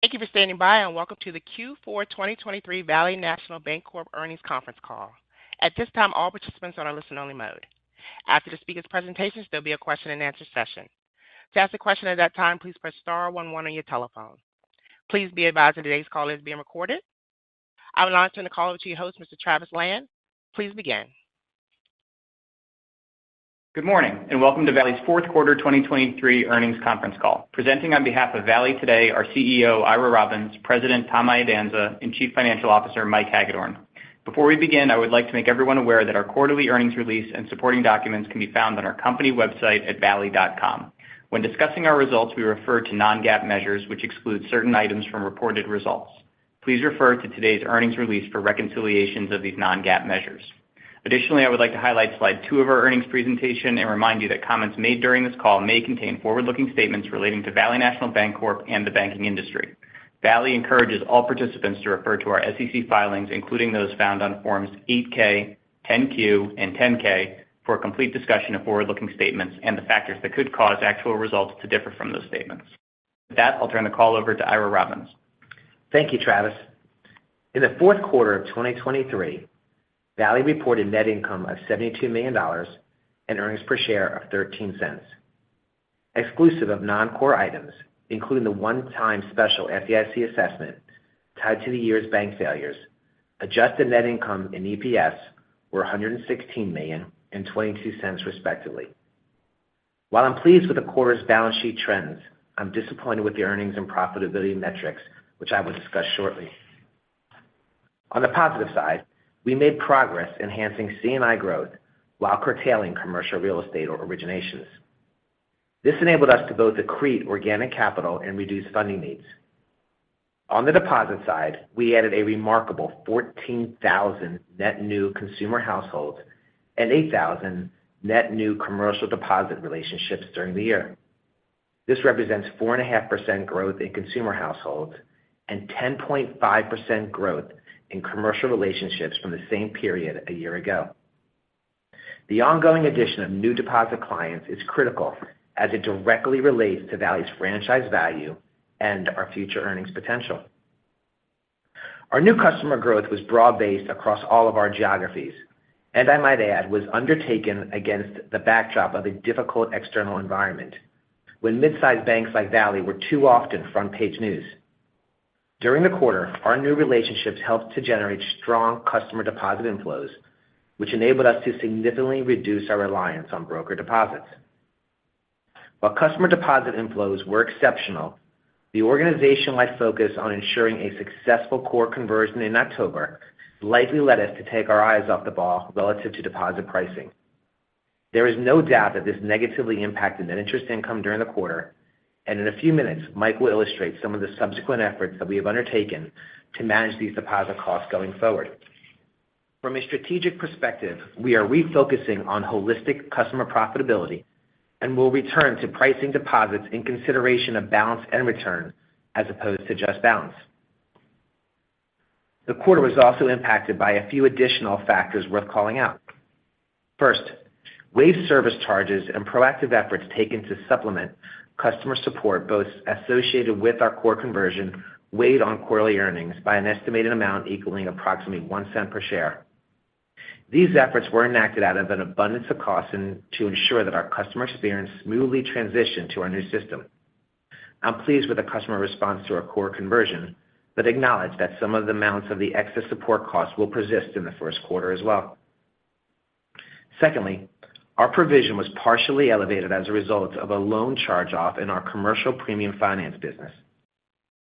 Thank you for standing by, and welcome to the Q4 2023 Valley National Bancorp Earnings Conference Call. At this time, all participants are on a listen-only mode. After the speaker's presentations, there'll be a question-and-answer session. To ask a question at that time, please press star one one on your telephone. Please be advised that today's call is being recorded. I would now like to turn the call over to your host, Mr. Travis Lan. Please begin. Good morning, and welcome to Valley's Fourth Quarter 2023 earnings conference call. Presenting on behalf of Valley today are CEO Ira Robbins, President Tom Iadanza, and Chief Financial Officer Mike Hagedorn. Before we begin, I would like to make everyone aware that our quarterly earnings release and supporting documents can be found on our company website at valley.com. When discussing our results, we refer to non-GAAP measures, which exclude certain items from reported results. Please refer to today's earnings release for reconciliations of these non-GAAP measures. Additionally, I would like to highlight slide two of our earnings presentation and remind you that comments made during this call may contain forward-looking statements relating to Valley National Bancorp and the banking industry. Valley encourages all participants to refer to our SEC filings, including those found on Forms 8-K, 10-Q, and 10-K, for a complete discussion of forward-looking statements and the factors that could cause actual results to differ from those statements. With that, I'll turn the call over to Ira Robbins. Thank you, Travis. In the fourth quarter of 2023, Valley reported net income of $72 million and earnings per share of $0.13. Exclusive of non-core items, including the one-time special FDIC assessment tied to the year's bank failures, adjusted net income and EPS were $116 million and $0.22, respectively. While I'm pleased with the quarter's balance sheet trends, I'm disappointed with the earnings and profitability metrics, which I will discuss shortly. On the positive side, we made progress enhancing C&I growth while curtailing CRE originations. This enabled us to both accrete organic capital and reduce funding needs. On the deposit side, we added a remarkable 14,000 net new consumer households and 8,000 net new commercial deposit relationships during the year. This represents 4.5% growth in consumer households and 10.5% growth in commercial relationships from the same period a year ago. The ongoing addition of new deposit clients is critical as it directly relates to Valley's franchise value and our future earnings potential. Our new customer growth was broad-based across all of our geographies, and I might add, was undertaken against the backdrop of a difficult external environment when mid-sized banks like Valley were too often front-page news. During the quarter, our new relationships helped to generate strong customer deposit inflows, which enabled us to significantly reduce our reliance on broker deposits. While customer deposit inflows were exceptional, the organization-wide focus on ensuring a successful core conversion in October slightly led us to take our eyes off the ball relative to deposit pricing. There is no doubt that this negatively impacted net interest income during the quarter, and in a few minutes, Mike will illustrate some of the subsequent efforts that we have undertaken to manage these deposit costs going forward. From a strategic perspective, we are refocusing on holistic customer profitability and will return to pricing deposits in consideration of balance and return as opposed to just balance. The quarter was also impacted by a few additional factors worth calling out. First, waived service charges and proactive efforts taken to supplement customer support, both associated with our core conversion, weighed on quarterly earnings by an estimated amount equaling approximately $0.01 per share. These efforts were enacted out of an abundance of caution to ensure that our customer experience smoothly transitioned to our new system. I'm pleased with the customer response to our core conversion, but acknowledge that some of the amounts of the excess support costs will persist in the first quarter as well. Secondly, our provision was partially elevated as a result of a loan charge-off in our commercial premium finance business.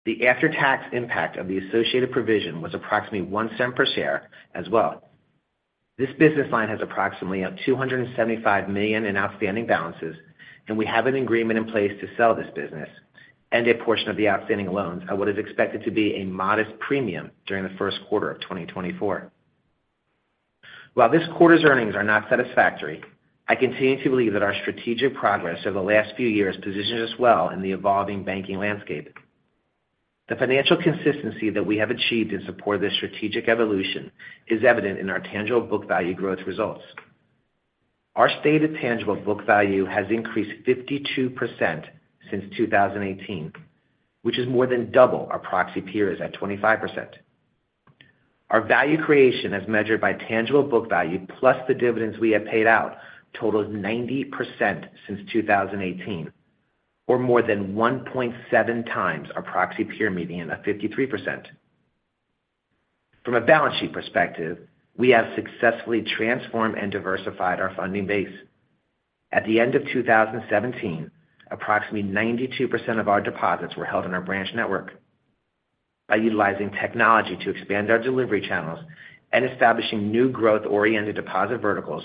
The after-tax impact of the associated provision was approximately $0.01 per share as well. This business line has approximately $275 million in outstanding balances, and we have an agreement in place to sell this business and a portion of the outstanding loans at what is expected to be a modest premium during the first quarter of 2024. While this quarter's earnings are not satisfactory, I continue to believe that our strategic progress over the last few years positions us well in the evolving banking landscape. The financial consistency that we have achieved in support of this strategic evolution is evident in our tangible book value growth results. Our stated tangible book value has increased 52% since 2018, which is more than double our proxy peers at 25%. Our value creation, as measured by tangible book value, plus the dividends we have paid out, totals 90% since 2018, or more than 1.7x our proxy peer median of 53%. From a balance sheet perspective, we have successfully transformed and diversified our funding base. At the end of 2017, approximately 92% of our deposits were held in our branch network. By utilizing technology to expand our delivery channels and establishing new growth-oriented deposit verticals,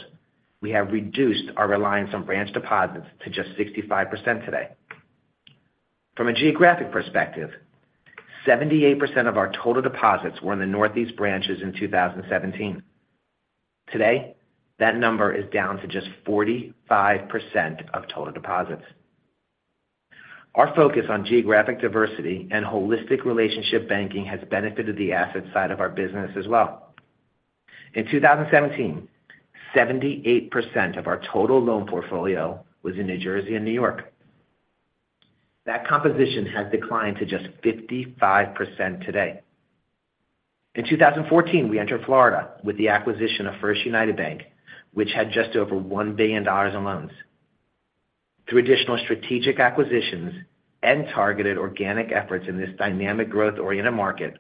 we have reduced our reliance on branch deposits to just 65% today. From a geographic perspective, 78% of our total deposits were in the Northeast branches in 2017. Today, that number is down to just 45% of total deposits. Our focus on geographic diversity and holistic relationship banking has benefited the asset side of our business as well. In 2017, 78% of our total loan portfolio was in New Jersey and New York. That composition has declined to just 55% today. In 2014, we entered Florida with the acquisition of 1st United Bancorp, which had just over $1 billion in loans. Through additional strategic acquisitions and targeted organic efforts in this dynamic, growth-oriented market,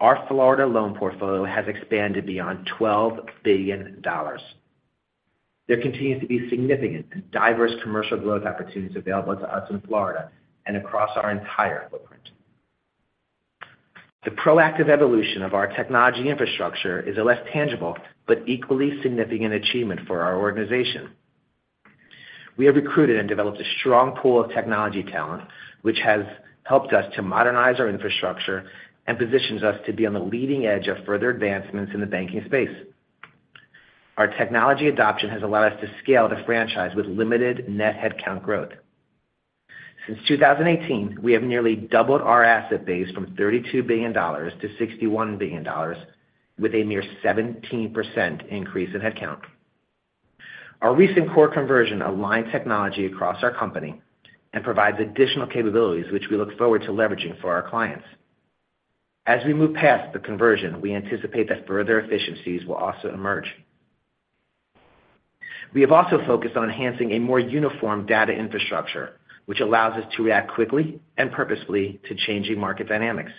our Florida loan portfolio has expanded beyond $12 billion. There continues to be significant and diverse commercial growth opportunities available to us in Florida and across our entire footprint. The proactive evolution of our technology infrastructure is a less tangible but equally significant achievement for our organization. We have recruited and developed a strong pool of technology talent, which has helped us to modernize our infrastructure and positions us to be on the leading edge of further advancements in the banking space. Our technology adoption has allowed us to scale the franchise with limited net headcount growth. Since 2018, we have nearly doubled our asset base from $32 billion to $61 billion, with a near 17% increase in headcount. Our recent core conversion aligned technology across our company and provides additional capabilities, which we look forward to leveraging for our clients. As we move past the conversion, we anticipate that further efficiencies will also emerge. We have also focused on enhancing a more uniform data infrastructure, which allows us to react quickly and purposefully to changing market dynamics.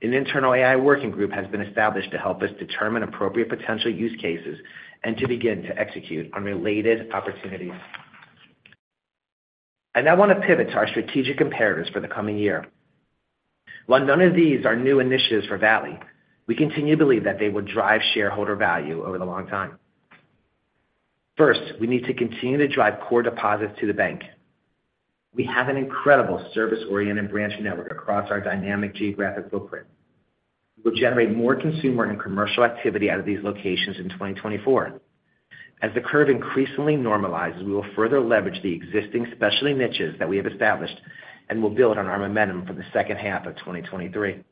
An internal AI working group has been established to help us determine appropriate potential use cases and to begin to execute on related opportunities. I now want to pivot to our strategic imperatives for the coming year. While none of these are new initiatives for Valley, we continue to believe that they will drive shareholder value over the long time. First, we need to continue to drive core deposits to the bank. We have an incredible service-oriented branch network across our dynamic geographic footprint. We'll generate more consumer and commercial activity out of these locations in 2024. As the curve increasingly normalizes, we will further leverage the existing specialty niches that we have established and will build on our momentum for the second half of 2023.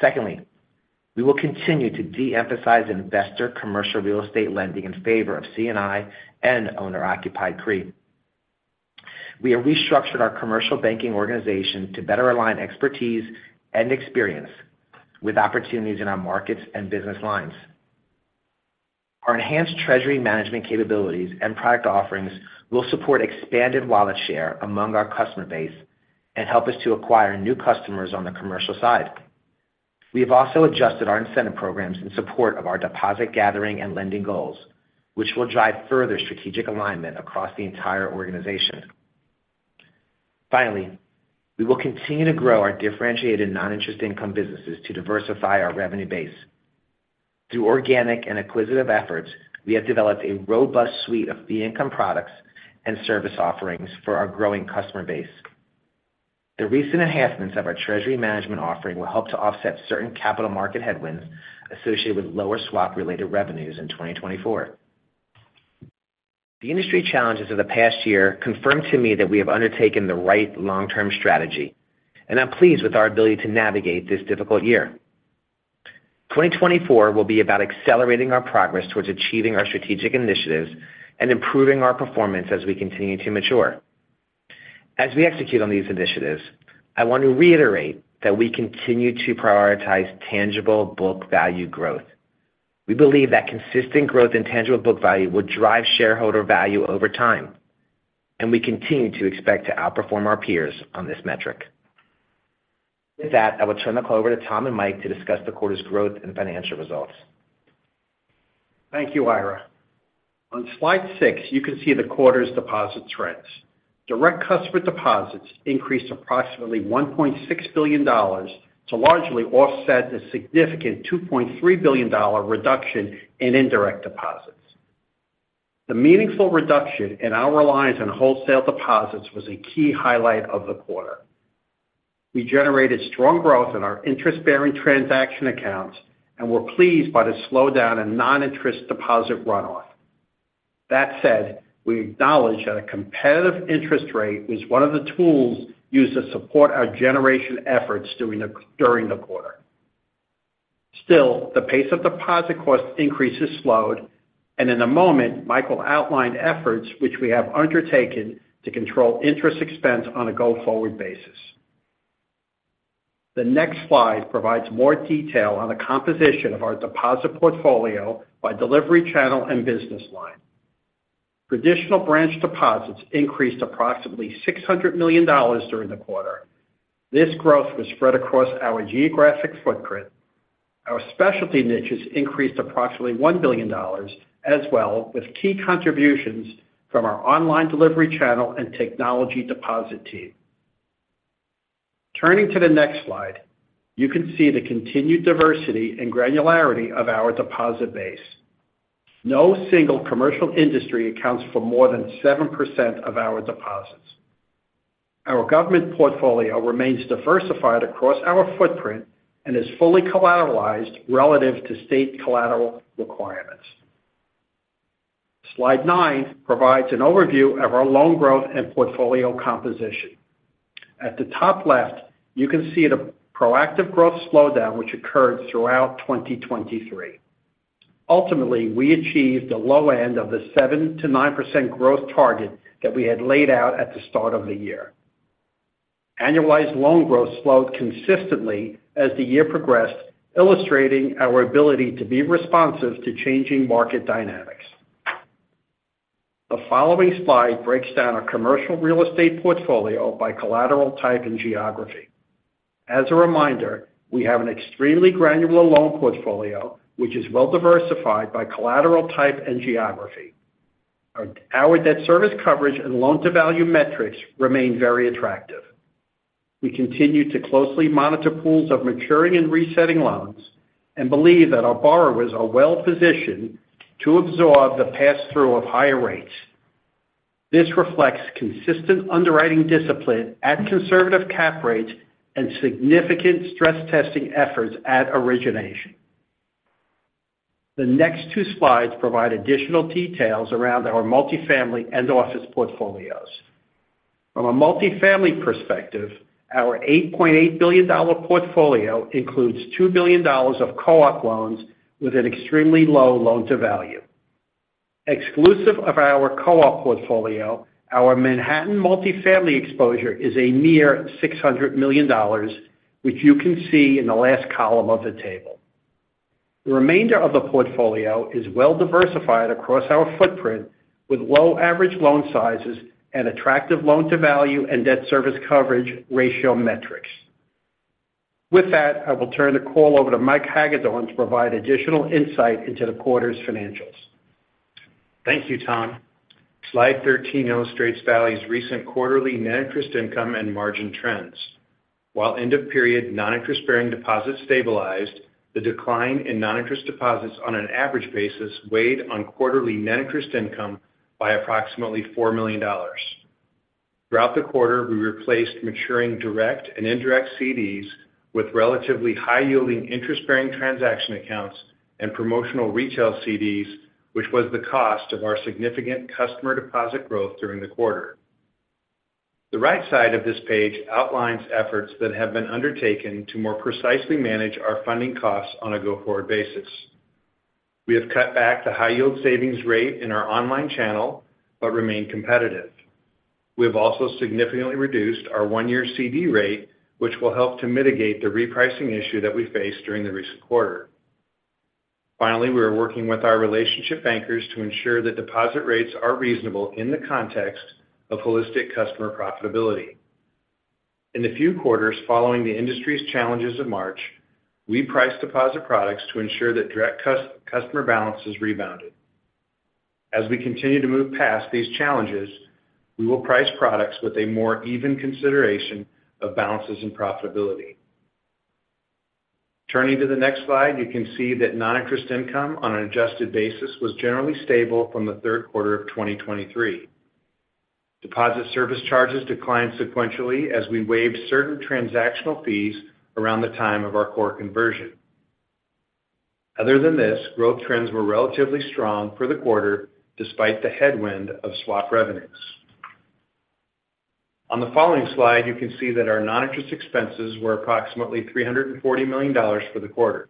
Secondly, we will continue to de-emphasize investor commercial real estate lending in favor of C&I and owner-occupied CRE. We have restructured our commercial banking organization to better align expertise and experience with opportunities in our markets and business lines. Our enhanced treasury management capabilities and product offerings will support expanded wallet share among our customer base and help us to acquire new customers on the commercial side. We have also adjusted our incentive programs in support of our deposit gathering and lending goals, which will drive further strategic alignment across the entire organization. Finally, we will continue to grow our differentiated non-interest income businesses to diversify our revenue base. Through organic and acquisitive efforts, we have developed a robust suite of fee income products and service offerings for our growing customer base. The recent enhancements of our treasury management offering will help to offset certain capital market headwinds associated with lower swap-related revenues in 2024. The industry challenges of the past year confirmed to me that we have undertaken the right long-term strategy, and I'm pleased with our ability to navigate this difficult year. 2024 will be about accelerating our progress towards achieving our strategic initiatives and improving our performance as we continue to mature. As we execute on these initiatives, I want to reiterate that we continue to prioritize tangible book value growth. We believe that consistent growth in tangible book value will drive shareholder value over time, and we continue to expect to outperform our peers on this metric. With that, I will turn the call over to Tom and Mike to discuss the quarter's growth and financial results. Thank you, Ira. On slide six, you can see the quarter's deposit trends. Direct customer deposits increased approximately $1.6 billion to largely offset the significant $2.3 billion reduction in indirect deposits. The meaningful reduction in our reliance on wholesale deposits was a key highlight of the quarter. We generated strong growth in our interest-bearing transaction accounts and were pleased by the slowdown in non-interest deposit runoff. That said, we acknowledge that a competitive interest rate was one of the tools used to support our generation efforts during the quarter. Still, the pace of deposit cost increase has slowed, and in a moment, Mike will outline efforts which we have undertaken to control interest expense on a go-forward basis. The next slide provides more detail on the composition of our deposit portfolio by delivery channel and business line. Traditional branch deposits increased approximately $600 million during the quarter. This growth was spread across our geographic footprint. Our specialty niches increased approximately $1 billion as well, with key contributions from our online delivery channel and technology deposit team. Turning to the next slide, you can see the continued diversity and granularity of our deposit base. No single commercial industry accounts for more than 7% of our deposits. Our government portfolio remains diversified across our footprint and is fully collateralized relative to state collateral requirements. Slide nine provides an overview of our loan growth and portfolio composition. At the top left, you can see the proactive growth slowdown, which occurred throughout 2023. Ultimately, we achieved the low end of the 7%-9% growth target that we had laid out at the start of the year. Annualized loan growth slowed consistently as the year progressed, illustrating our ability to be responsive to changing market dynamics. The following slide breaks down our commercial real estate portfolio by collateral type and geography. As a reminder, we have an extremely granular loan portfolio, which is well diversified by collateral type and geography. Our debt service coverage and loan-to-value metrics remain very attractive. We continue to closely monitor pools of maturing and resetting loans and believe that our borrowers are well-positioned to absorb the pass-through of higher rates. This reflects consistent underwriting discipline at conservative cap rates and significant stress testing efforts at origination. The next two slides provide additional details around our multifamily and office portfolios. From a multifamily perspective, our $8.8 billion portfolio includes $2 billion of co-op loans with an extremely low loan-to-value. Exclusive of our co-op portfolio, our Manhattan multifamily exposure is a near $600 million, which you can see in the last column of the table. The remainder of the portfolio is well diversified across our footprint, with low average loan sizes and attractive loan-to-value and debt-service coverage ratio metrics. With that, I will turn the call over to Mike Hagedorn to provide additional insight into the quarter's financials. Thank you, Tom. Slide 13 illustrates Valley's recent quarterly net interest income and margin trends. While end-of-period non-interest-bearing deposits stabilized, the decline in non-interest deposits on an average basis weighed on quarterly net interest income by approximately $4 million. Throughout the quarter, we replaced maturing direct and indirect CDs with relatively high-yielding interest-bearing transaction accounts and promotional retail CDs, which was the cost of our significant customer deposit growth during the quarter. The right side of this page outlines efforts that have been undertaken to more precisely manage our funding costs on a go-forward basis. We have cut back the high-yield savings rate in our online channel but remain competitive. We have also significantly reduced our one-year CD rate, which will help to mitigate the repricing issue that we faced during the recent quarter. Finally, we are working with our relationship bankers to ensure that deposit rates are reasonable in the context of holistic customer profitability. In the few quarters following the industry's challenges of March, we priced deposit products to ensure that direct customer balances rebounded. As we continue to move past these challenges, we will price products with a more even consideration of balances and profitability. Turning to the next slide, you can see that non-interest income on an adjusted basis was generally stable from the third quarter of 2023. Deposit service charges declined sequentially as we waived certain transactional fees around the time of our core conversion. Other than this, growth trends were relatively strong for the quarter, despite the headwind of swap revenues. On the following slide, you can see that our non-interest expenses were approximately $340 million for the quarter.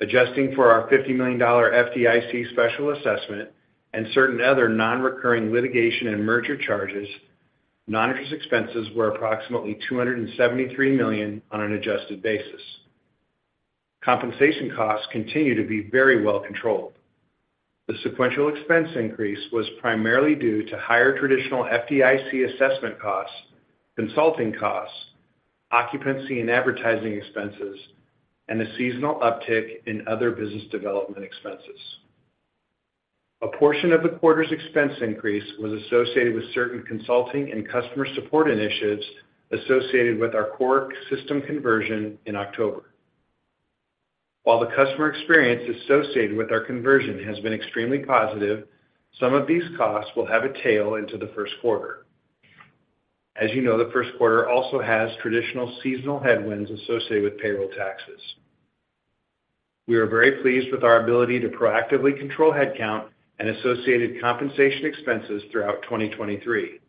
Adjusting for our $50 million FDIC special assessment and certain other non-recurring litigation and merger charges, non-interest expenses were approximately $273 million on an adjusted basis. Compensation costs continue to be very well controlled. The sequential expense increase was primarily due to higher traditional FDIC assessment costs, consulting costs, occupancy and advertising expenses, and a seasonal uptick in other business development expenses. A portion of the quarter's expense increase was associated with certain consulting and customer support initiatives associated with our core system conversion in October. While the customer experience associated with our conversion has been extremely positive, some of these costs will have a tail into the first quarter. As you know, the first quarter also has traditional seasonal headwinds associated with payroll taxes. We are very pleased with our ability to proactively control headcount and associated compensation expenses throughout 2023.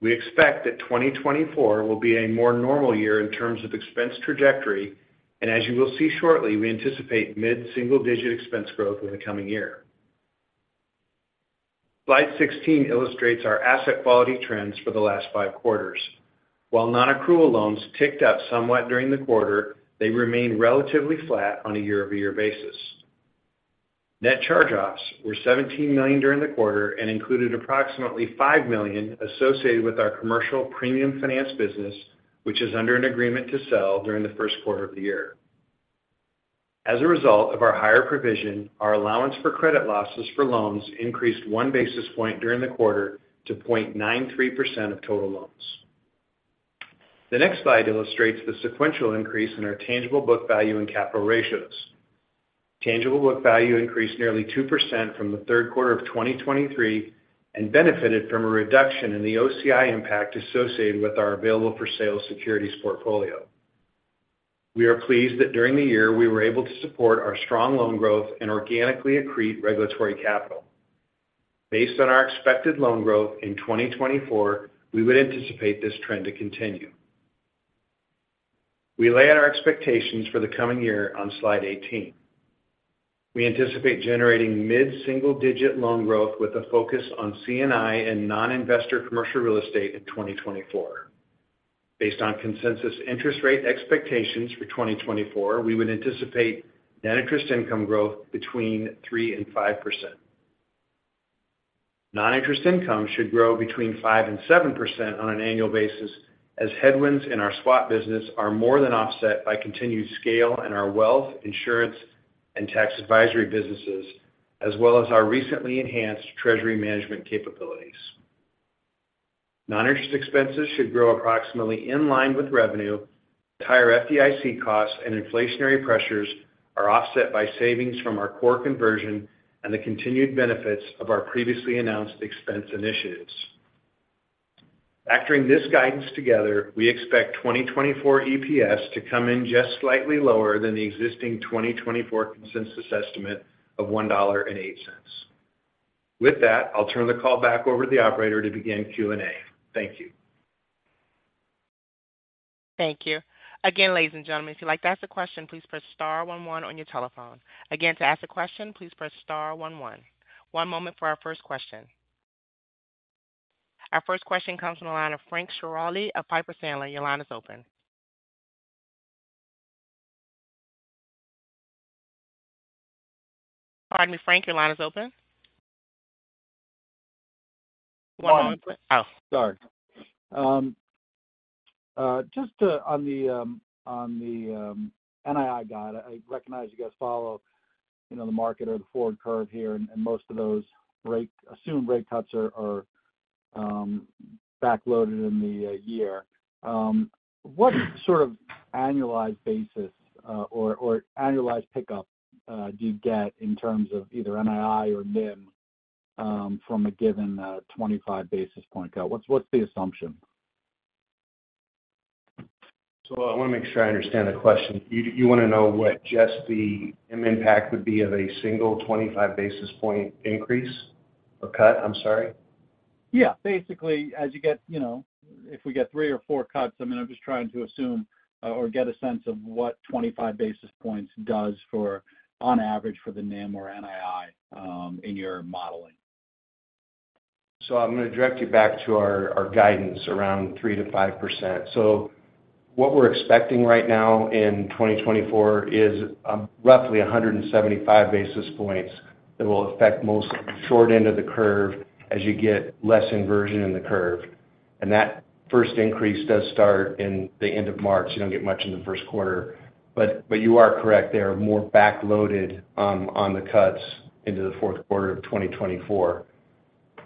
We expect that 2024 will be a more normal year in terms of expense trajectory, and as you will see shortly, we anticipate mid-single-digit expense growth in the coming year. Slide 16 illustrates our asset quality trends for the last five quarters. While non-accrual loans ticked up somewhat during the quarter, they remained relatively flat on a year-over-year basis. Net charge-offs were $17 million during the quarter and included approximately $5 million associated with our commercial premium finance business, which is under an agreement to sell during the first quarter of the year. As a result of our higher provision, our allowance for credit losses for loans increased one basis point during the quarter to 0.93% of total loans. The next slide illustrates the sequential increase in our tangible book value and capital ratios. Tangible book value increased nearly 2% from the third quarter of 2023 and benefited from a reduction in the OCI impact associated with our available-for-sale securities portfolio. We are pleased that during the year, we were able to support our strong loan growth and organically accrete regulatory capital. Based on our expected loan growth in 2024, we would anticipate this trend to continue. We lay out our expectations for the coming year on slide 18. We anticipate generating mid-single-digit loan growth with a focus on C&I and non-investor commercial real estate in 2024. Based on consensus interest rate expectations for 2024, we would anticipate net interest income growth between 3% and 5%. Non-interest income should grow between 5% and 7% on an annual basis, as headwinds in our swap business are more than offset by continued scale in our wealth, insurance, and tax advisory businesses, as well as our recently enhanced treasury management capabilities. Non-interest expenses should grow approximately in line with revenue. Higher FDIC costs and inflationary pressures are offset by savings from our core conversion and the continued benefits of our previously announced expense initiatives. Factoring this guidance together, we expect 2024 EPS to come in just slightly lower than the existing 2024 consensus estimate of $1.08. With that, I'll turn the call back over to the operator to begin Q&A. Thank you. Thank you. Again, ladies and gentlemen, if you'd like to ask a question, please press star one one on your telephone. Again, to ask a question, please press star one one. One moment for our first question. Our first question comes from the line of Frank Schiraldi of Piper Sandler. Your line is open. Pardon me, Frank, your line is open. Um. Oh. Sorry. Just to on the NII guide, I recognize you guys follow, you know, the market or the forward curve here, and most of those assumed rate cuts are backloaded in the year. What sort of annualized basis or annualized pickup do you get in terms of either NII or NIM from a given 25 basis point cut? What's the assumption? I want to make sure I understand the question. You, you want to know what just the NIM impact would be of a single 25 basis point increase or cut? I'm sorry. Yeah, basically, as you get, you know, if we get three or four cuts, I mean, I'm just trying to assume or get a sense of what 25 basis points does for, on average, for the NIM or NII in your modeling. So I'm going to direct you back to our, our guidance around 3%-5%. So what we're expecting right now in 2024 is roughly 175 basis points that will affect most short end of the curve as you get less inversion in the curve. And that first increase does start in the end of March. You don't get much in the first quarter, but, but you are correct, they are more backloaded on the cuts into the fourth quarter of 2024.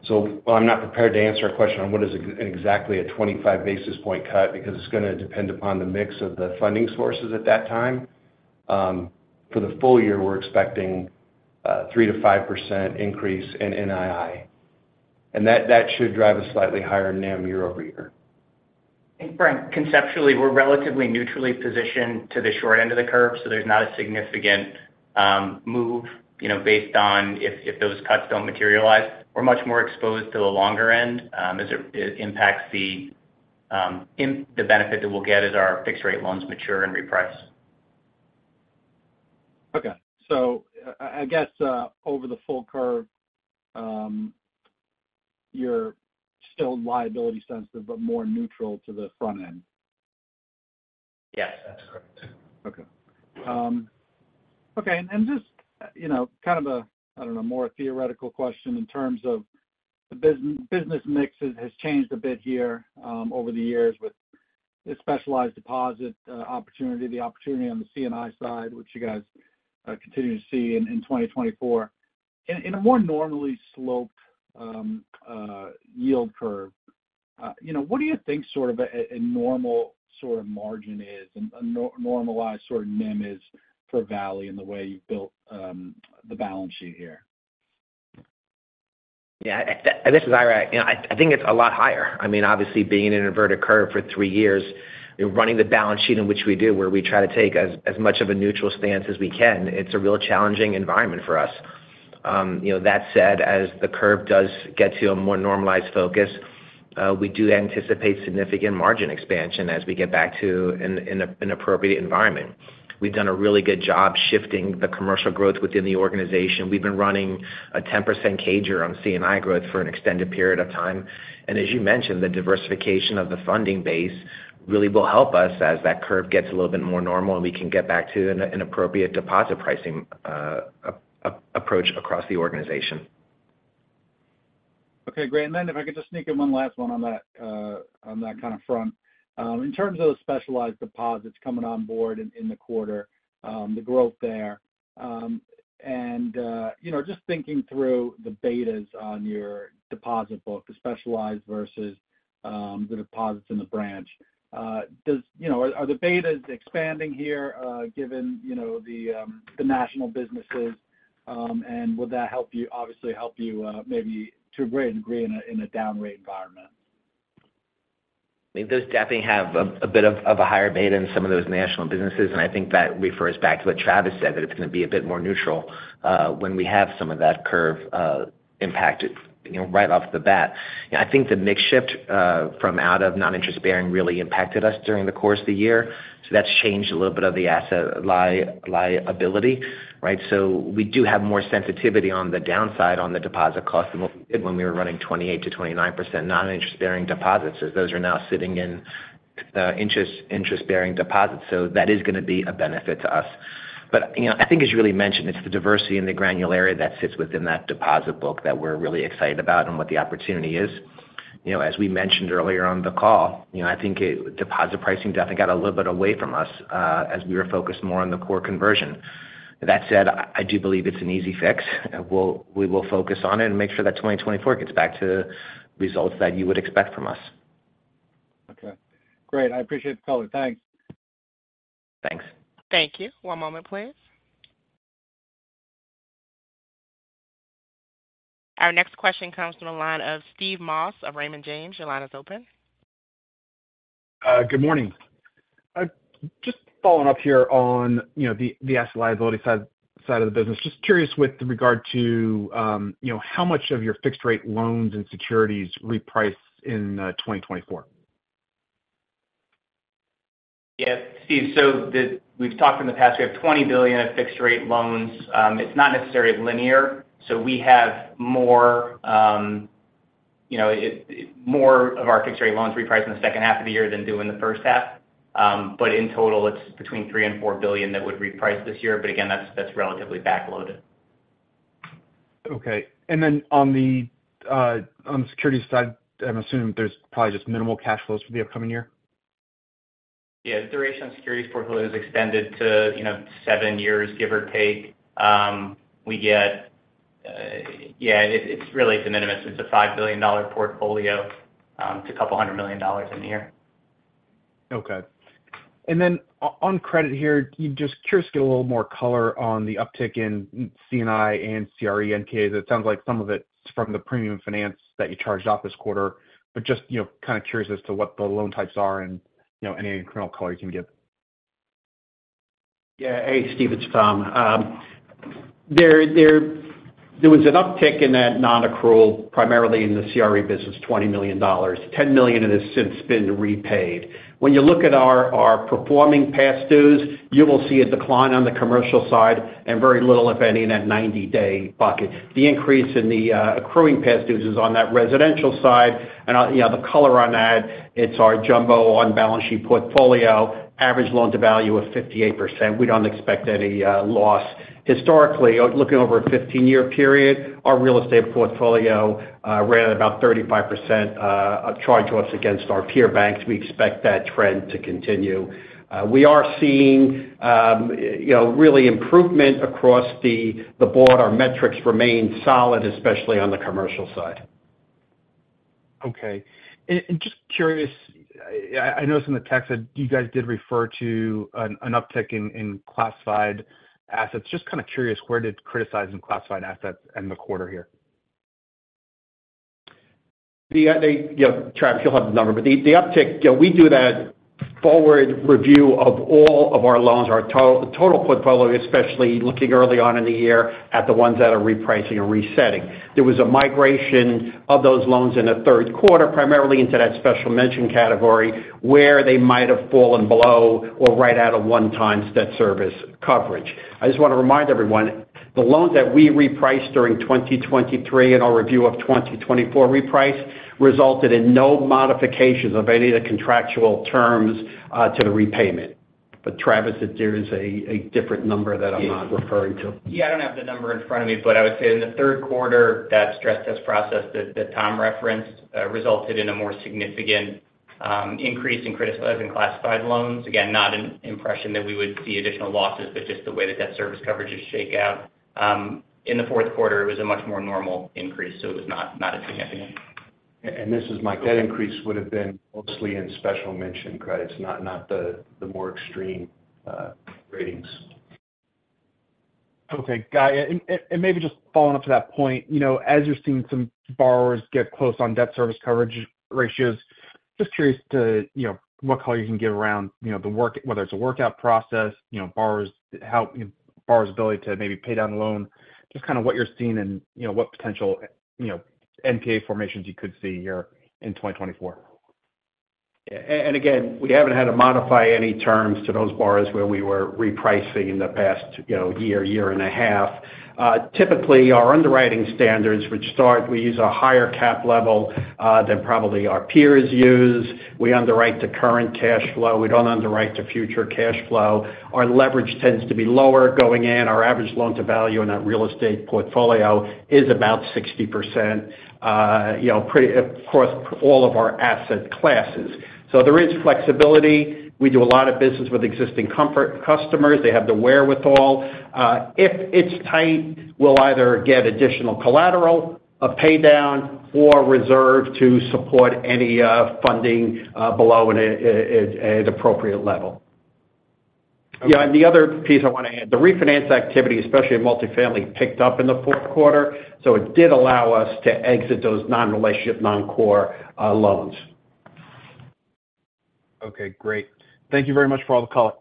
So while I'm not prepared to answer a question on what is exactly a 25 basis point cut, because it's going to depend upon the mix of the funding sources at that time, for the full year, we're expecting 3%-5% increase in NII. That should drive a slightly higher NIM year-over-year. Frank, conceptually, we're relatively neutrally positioned to the short end of the curve, so there's not a significant move, you know, based on if those cuts don't materialize. We're much more exposed to the longer end, as it impacts the benefit that we'll get as our fixed rate loans mature and reprice. Okay. So I guess over the full curve, you're still liability sensitive, but more neutral to the front end? Yes, that's correct. Okay. Okay, and just, you know, kind of a, I don't know, more theoretical question in terms of the business mix has changed a bit here over the years with the specialized deposit opportunity, the opportunity on the C&I side, which you guys continue to see in 2024. In a more normally sloped yield curve, you know, what do you think sort of a normal sort of margin is, a normalized sort of NIM is for Valley and the way you've built the balance sheet here? Yeah, this is Ira. You know, I think it's a lot higher. I mean, obviously, being in an inverted curve for three years and running the balance sheet in which we do, where we try to take as much of a neutral stance as we can, it's a real challenging environment for us. You know, that said, as the curve does get to a more normalized focus, we do anticipate significant margin expansion as we get back to an appropriate environment. We've done a really good job shifting the commercial growth within the organization. We've been running a 10% CAGR on C&I growth for an extended period of time. As you mentioned, the diversification of the funding base really will help us as that curve gets a little bit more normal, and we can get back to an appropriate deposit pricing approach across the organization. Okay, great. And then if I could just sneak in one last one on that, on that kind of front. In terms of the specialized deposits coming on board in the quarter, the growth there, and you know, just thinking through the betas on your deposit book, the specialized versus the deposits in the branch, does. You know, are the betas expanding here, given you know, the national businesses? And will that help you, obviously, help you, maybe to a great degree in a down rate environment? I think those definitely have a bit of a higher beta than some of those national businesses, and I think that refers back to what Travis said, that it's going to be a bit more neutral when we have some of that curve impacted, you know, right off the bat. I think the mix shift from out of non-interest bearing really impacted us during the course of the year. So that's changed a little bit of the asset liability, right? So we do have more sensitivity on the downside on the deposit cost than when we were running 28%-29% non-interest bearing deposits, as those are now sitting in interest-bearing deposits. So that is going to be a benefit to us. But, you know, I think as you really mentioned, it's the diversity and the granularity that sits within that deposit book that we're really excited about and what the opportunity is. You know, as we mentioned earlier on the call, you know, I think deposit pricing definitely got a little bit away from us as we were focused more on the core conversion. That said, I do believe it's an easy fix. We will focus on it and make sure that 2024 gets back to results that you would expect from us. Okay, great. I appreciate the color. Thanks. Thanks. Thank you. One moment, please. Our next question comes from the line of Steve Moss of Raymond James. Your line is open. Good morning. Just following up here on, you know, the asset liability side of the business. Just curious with regard to, you know, how much of your fixed rate loans and securities reprice in 2024? Yeah, Steve, so we've talked in the past, we have $20 billion of fixed rate loans. It's not necessarily linear, so we have more, you know, more of our fixed rate loans reprice in the second half of the year than do in the first half. But in total, it's between $3 billion and $4 billion that would reprice this year. But again, that's, that's relatively backloaded. Okay. And then on the security side, I'm assuming there's probably just minimal cash flows for the upcoming year? Yeah, the duration of securities portfolio is extended to, you know, seven years, give or take. We get, yeah, it, it's really de minimis. It's a $5 billion portfolio, it's $200 million in the year. Okay. And then on credit here, just curious to get a little more color on the uptick in C&I and CRE NPAs. It sounds like some of it's from the premium finance that you charged off this quarter, but just, you know, kind of curious as to what the loan types are and, you know, any incremental color you can give. Yeah. Hey, Steve, it's Tom. There was an uptick in that non-accrual, primarily in the CRE business, $20 million, $10 million of it has since been repaid. When you look at our performing past dues, you will see a decline on the commercial side and very little, if any, in that 90-day bucket. The increase in the accruing past dues is on that residential side. And, you know, the color on that, it's our jumbo on balance sheet portfolio, average loan-to-value of 58%. We don't expect any loss. Historically, looking over a 15-year period, our real estate portfolio ran about 35% charge-offs against our peer banks. We expect that trend to continue. We are seeing, you know, really improvement across the board. Our metrics remain solid, especially on the commercial side. Okay. And just curious, I notice in the text that you guys did refer to an uptick in classified assets. Just kind of curious, where did criticized classified assets end the quarter here? Yeah, Travis, you'll have the number, but the uptick, you know, we do that forward review of all of our loans, our total portfolio, especially looking early on in the year at the ones that are repricing or resetting. There was a migration of those loans in the third quarter, primarily into that special mention category, where they might have fallen below or right out of one-time debt service coverage. I just want to remind everyone, the loans that we repriced during 2023 in our review of 2024 reprice, resulted in no modifications of any of the contractual terms to the repayment. But Travis, if there is a different number that I'm not referring to. Yeah, I don't have the number in front of me, but I would say in the third quarter, that stress test process that Tom referenced resulted in a more significant increase in criticizing classified loans. Again, not an impression that we would see additional losses, but just the way that debt service coverages shake out. In the fourth quarter, it was a much more normal increase, so it was not as significant. This is Mike. That increase would have been mostly in special mention credits, not the more extreme ratings. Okay, got it. And maybe just following up to that point, you know, as you're seeing some borrowers get close on debt service coverage ratios, just curious to, you know, what color you can give around, you know, the workout, whether it's a workout process, you know, borrowers' ability to maybe pay down the loan, just kind of what you're seeing and, you know, what potential, you know, NPA formations you could see here in 2024. And again, we haven't had to modify any terms to those borrowers where we were repricing in the past, you know, year, year and a half. Typically, our underwriting standards, which start, we use a higher cap level than probably our peers use. We underwrite to current cash flow. We don't underwrite to future cash flow. Our leverage tends to be lower going in. Our average loan-to-value in that real estate portfolio is about 60%, you know, pretty across all of our asset classes. So there is flexibility. We do a lot of business with existing, comfortable customers. They have the wherewithal. If it's tight, we'll either get additional collateral, a pay down, or reserve to support any funding below an appropriate level. Yeah, and the other piece I want to add, the refinance activity, especially in multifamily, picked up in the fourth quarter, so it did allow us to exit those non-relationship, non-core loans. Okay, great. Thank you very much for all the color.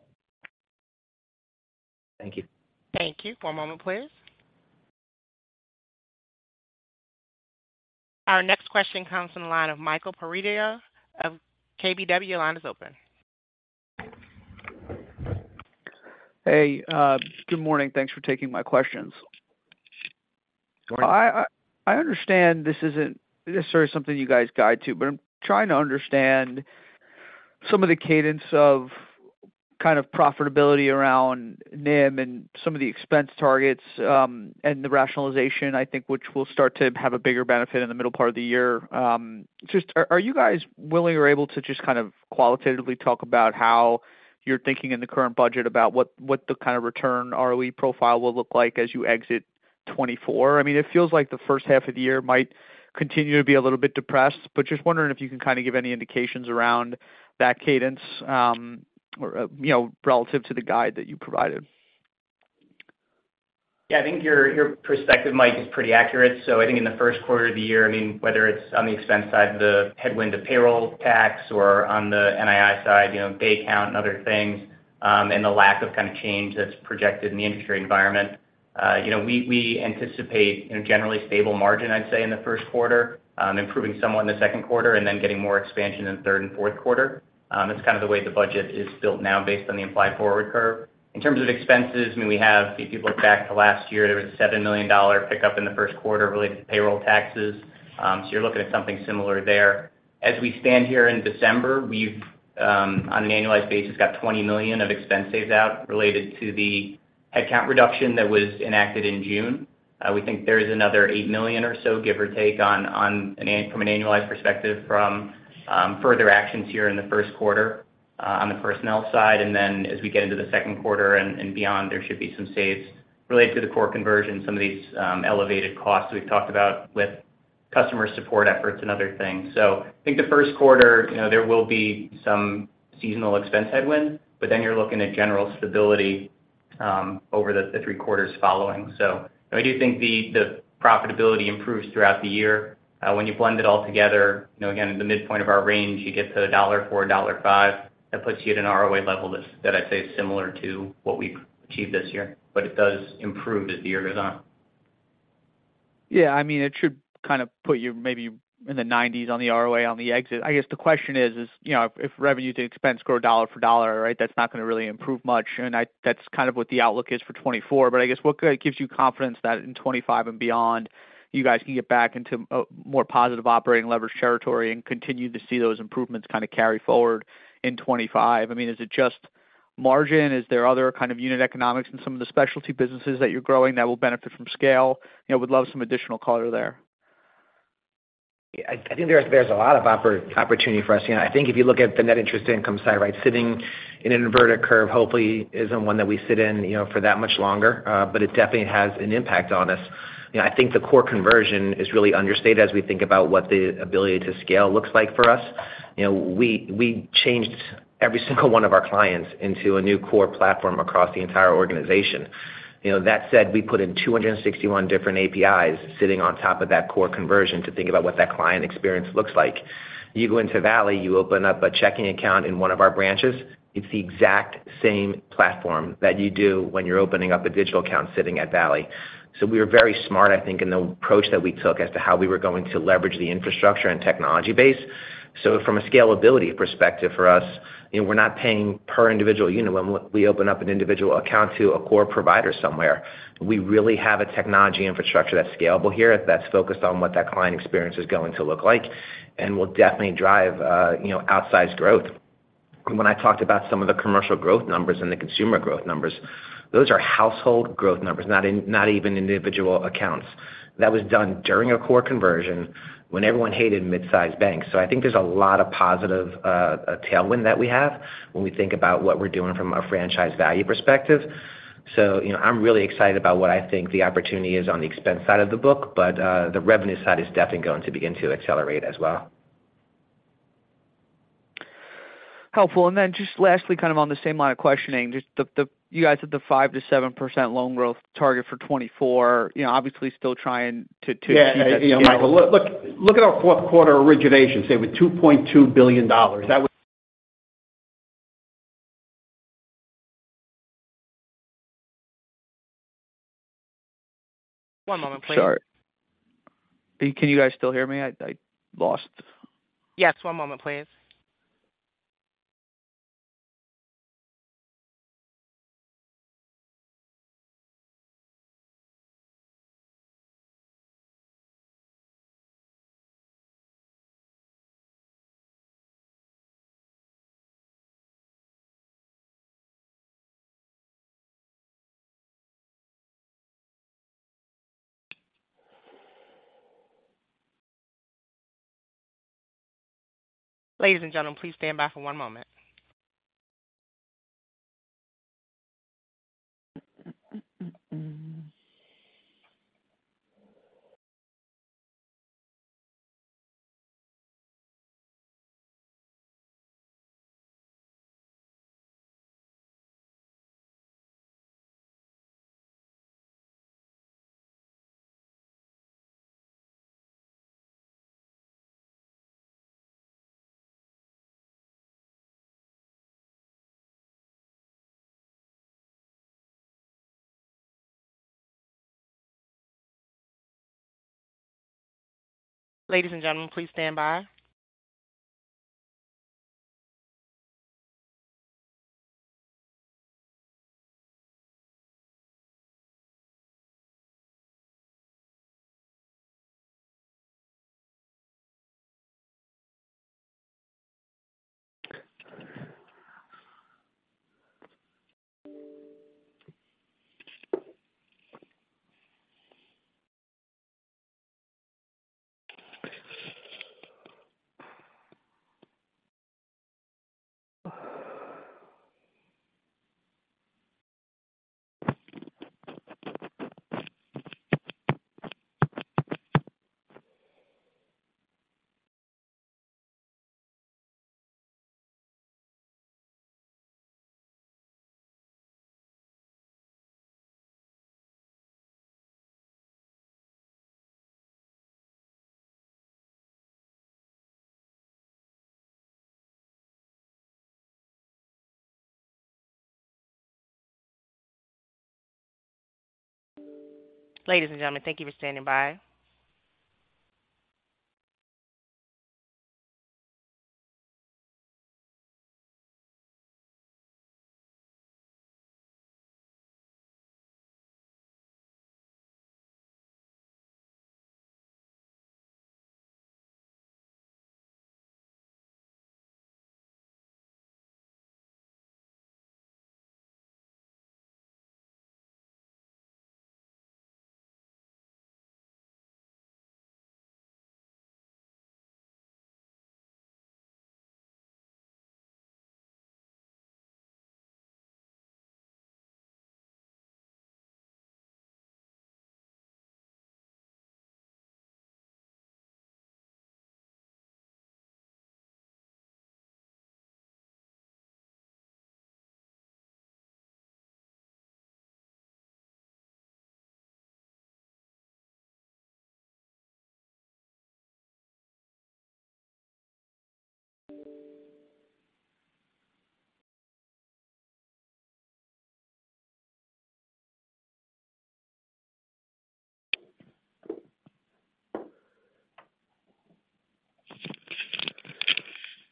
Thank you. Thank you. One moment, please. Our next question comes from the line of Michael Perito of KBW. Your line is open. Hey, good morning. Thanks for taking my questions. Good morning. I understand this isn't necessarily something you guys guide to, but I'm trying to understand some of the cadence of kind of profitability around NIM and some of the expense targets, and the rationalization, I think, which will start to have a bigger benefit in the middle part of the year. Just are you guys willing or able to just kind of qualitatively talk about how you're thinking in the current budget about what the kind of return ROE profile will look like as you exit 2024? I mean, it feels like the first half of the year might continue to be a little bit depressed, but just wondering if you can kind of give any indications around that cadence, or, you know, relative to the guide that you provided. Yeah, I think your, your perspective, Mike, is pretty accurate. So I think in the first quarter of the year, I mean, whether it's on the expense side, the headwind of payroll tax or on the NII side, you know, day count and other things, and the lack of kind of change that's projected in the industry environment, you know, we, we anticipate, you know, generally stable margin, I'd say, in the first quarter, improving somewhat in the second quarter, and then getting more expansion in the third and fourth quarter. That's kind of the way the budget is built now based on the implied forward curve. In terms of expenses, I mean, we have, if you look back to last year, there was a $7 million pickup in the first quarter related to payroll taxes. So you're looking at something similar there. As we stand here in December, we've, on an annualized basis, got $20 million of expense saves out related to the headcount reduction that was enacted in June. We think there is another $8 million or so, give or take, from an annualized perspective from further actions here in the first quarter, on the personnel side. And then as we get into the second quarter and beyond, there should be some saves related to the core conversion, some of these elevated costs we've talked about with customer support efforts and other things. So I think the first quarter, you know, there will be some seasonal expense headwind, but then you're looking at general stability, over the three quarters following. So I do think the profitability improves throughout the year. When you blend it all together, you know, again, at the midpoint of our range, you get to $1.04-$1.05. That puts you at an ROA level that's, I'd say is similar to what we've achieved this year, but it does improve as the year goes on. Yeah, I mean, it should kind of put you maybe in the 90s on the ROA on the exit. I guess the question is, you know, if revenue to expense grow dollar for dollar, right, that's not going to really improve much, and I—that's kind of what the outlook is for 2024. But I guess what gives you confidence that in 2025 and beyond, you guys can get back into a more positive operating leverage territory and continue to see those improvements kind of carry forward in 2025? I mean, is it just margin? Is there other kind of unit economics in some of the specialty businesses that you're growing that will benefit from scale? You know, would love some additional color there. I think there's a lot of opportunity for us. You know, I think if you look at the net interest income side, right, sitting in an inverted curve hopefully isn't one that we sit in, you know, for that much longer, but it definitely has an impact on us. You know, I think the core conversion is really understated as we think about what the ability to scale looks like for us. You know, we changed every single one of our clients into a new core platform across the entire organization. You know, that said, we put in 261 different APIs sitting on top of that core conversion to think about what that client experience looks like. You go into Valley, you open up a checking account in one of our branches, it's the exact same platform that you do when you're opening up a digital account sitting at Valley. So we were very smart, I think, in the approach that we took as to how we were going to leverage the infrastructure and technology base. So from a scalability perspective for us, you know, we're not paying per individual unit when we open up an individual account to a core provider somewhere. We really have a technology infrastructure that's scalable here, that's focused on what that client experience is going to look like and will definitely drive, you know, outsized growth. When I talked about some of the commercial growth numbers and the consumer growth numbers, those are household growth numbers, not individual, not even individual accounts. That was done during a core conversion when everyone hated mid-sized banks. So I think there's a lot of positive tailwind that we have when we think about what we're doing from a franchise value perspective. So, you know, I'm really excited about what I think the opportunity is on the expense side of the book, but the revenue side is definitely going to begin to accelerate as well. Helpful. And then just lastly, kind of on the same line of questioning, just you guys had the 5%-7% loan growth target for 2024. You know, obviously still trying to Yeah, yeah, Michael, look, look at our fourth quarter originations. They were $2.2 billion. That was- One moment, please. Sorry. Can you guys still hear me? I, I lost... Yes. One moment, please. Ladies and gentlemen, please stand by for one moment. Ladies and gentlemen, please stand by. Ladies and gentlemen, thank you for standing by.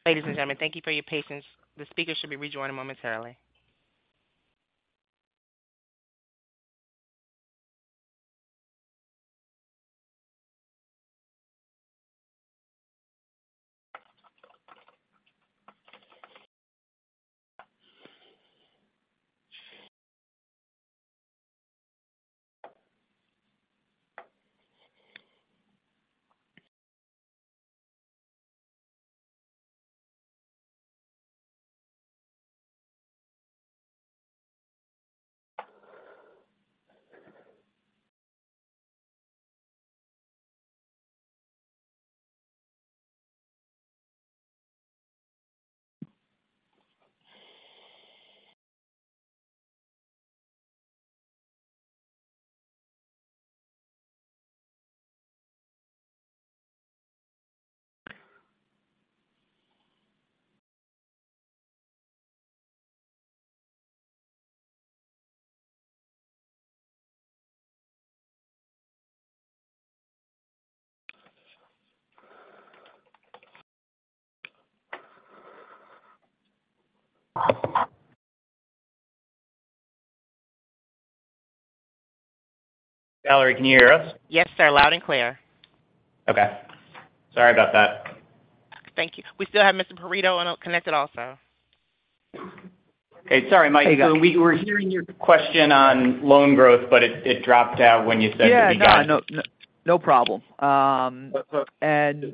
Ladies and gentlemen, thank you for your patience. The speaker should be rejoining momentarily. Valerie, can you hear us? Yes, sir. Loud and clear. Okay. Sorry about that. Thank you. We still have Mr. Perito on, connected also. Okay. Sorry, Mike. So we were hearing your question on loan growth, but it, it dropped out when you said- Yeah. No, no, no problem. And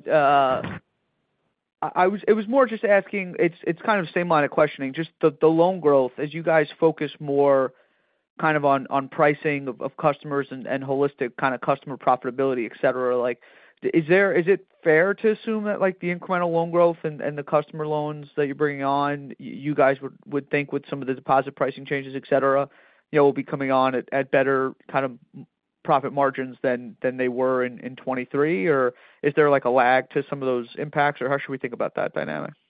I was. It was more just asking. It's the same line of questioning, just the loan growth. As you guys focus more kind of on pricing of customers and holistic kind of customer profitability, et cetera, like, is it fair to assume that, like, the incremental loan growth and the customer loans that you're bringing on, you guys would think with some of the deposit pricing changes, et cetera, you know, will be coming on at better kind of profit margins than they were in 2023? Or is there like a lag to some of those impacts, or how should we think about that dynamic? Yeah,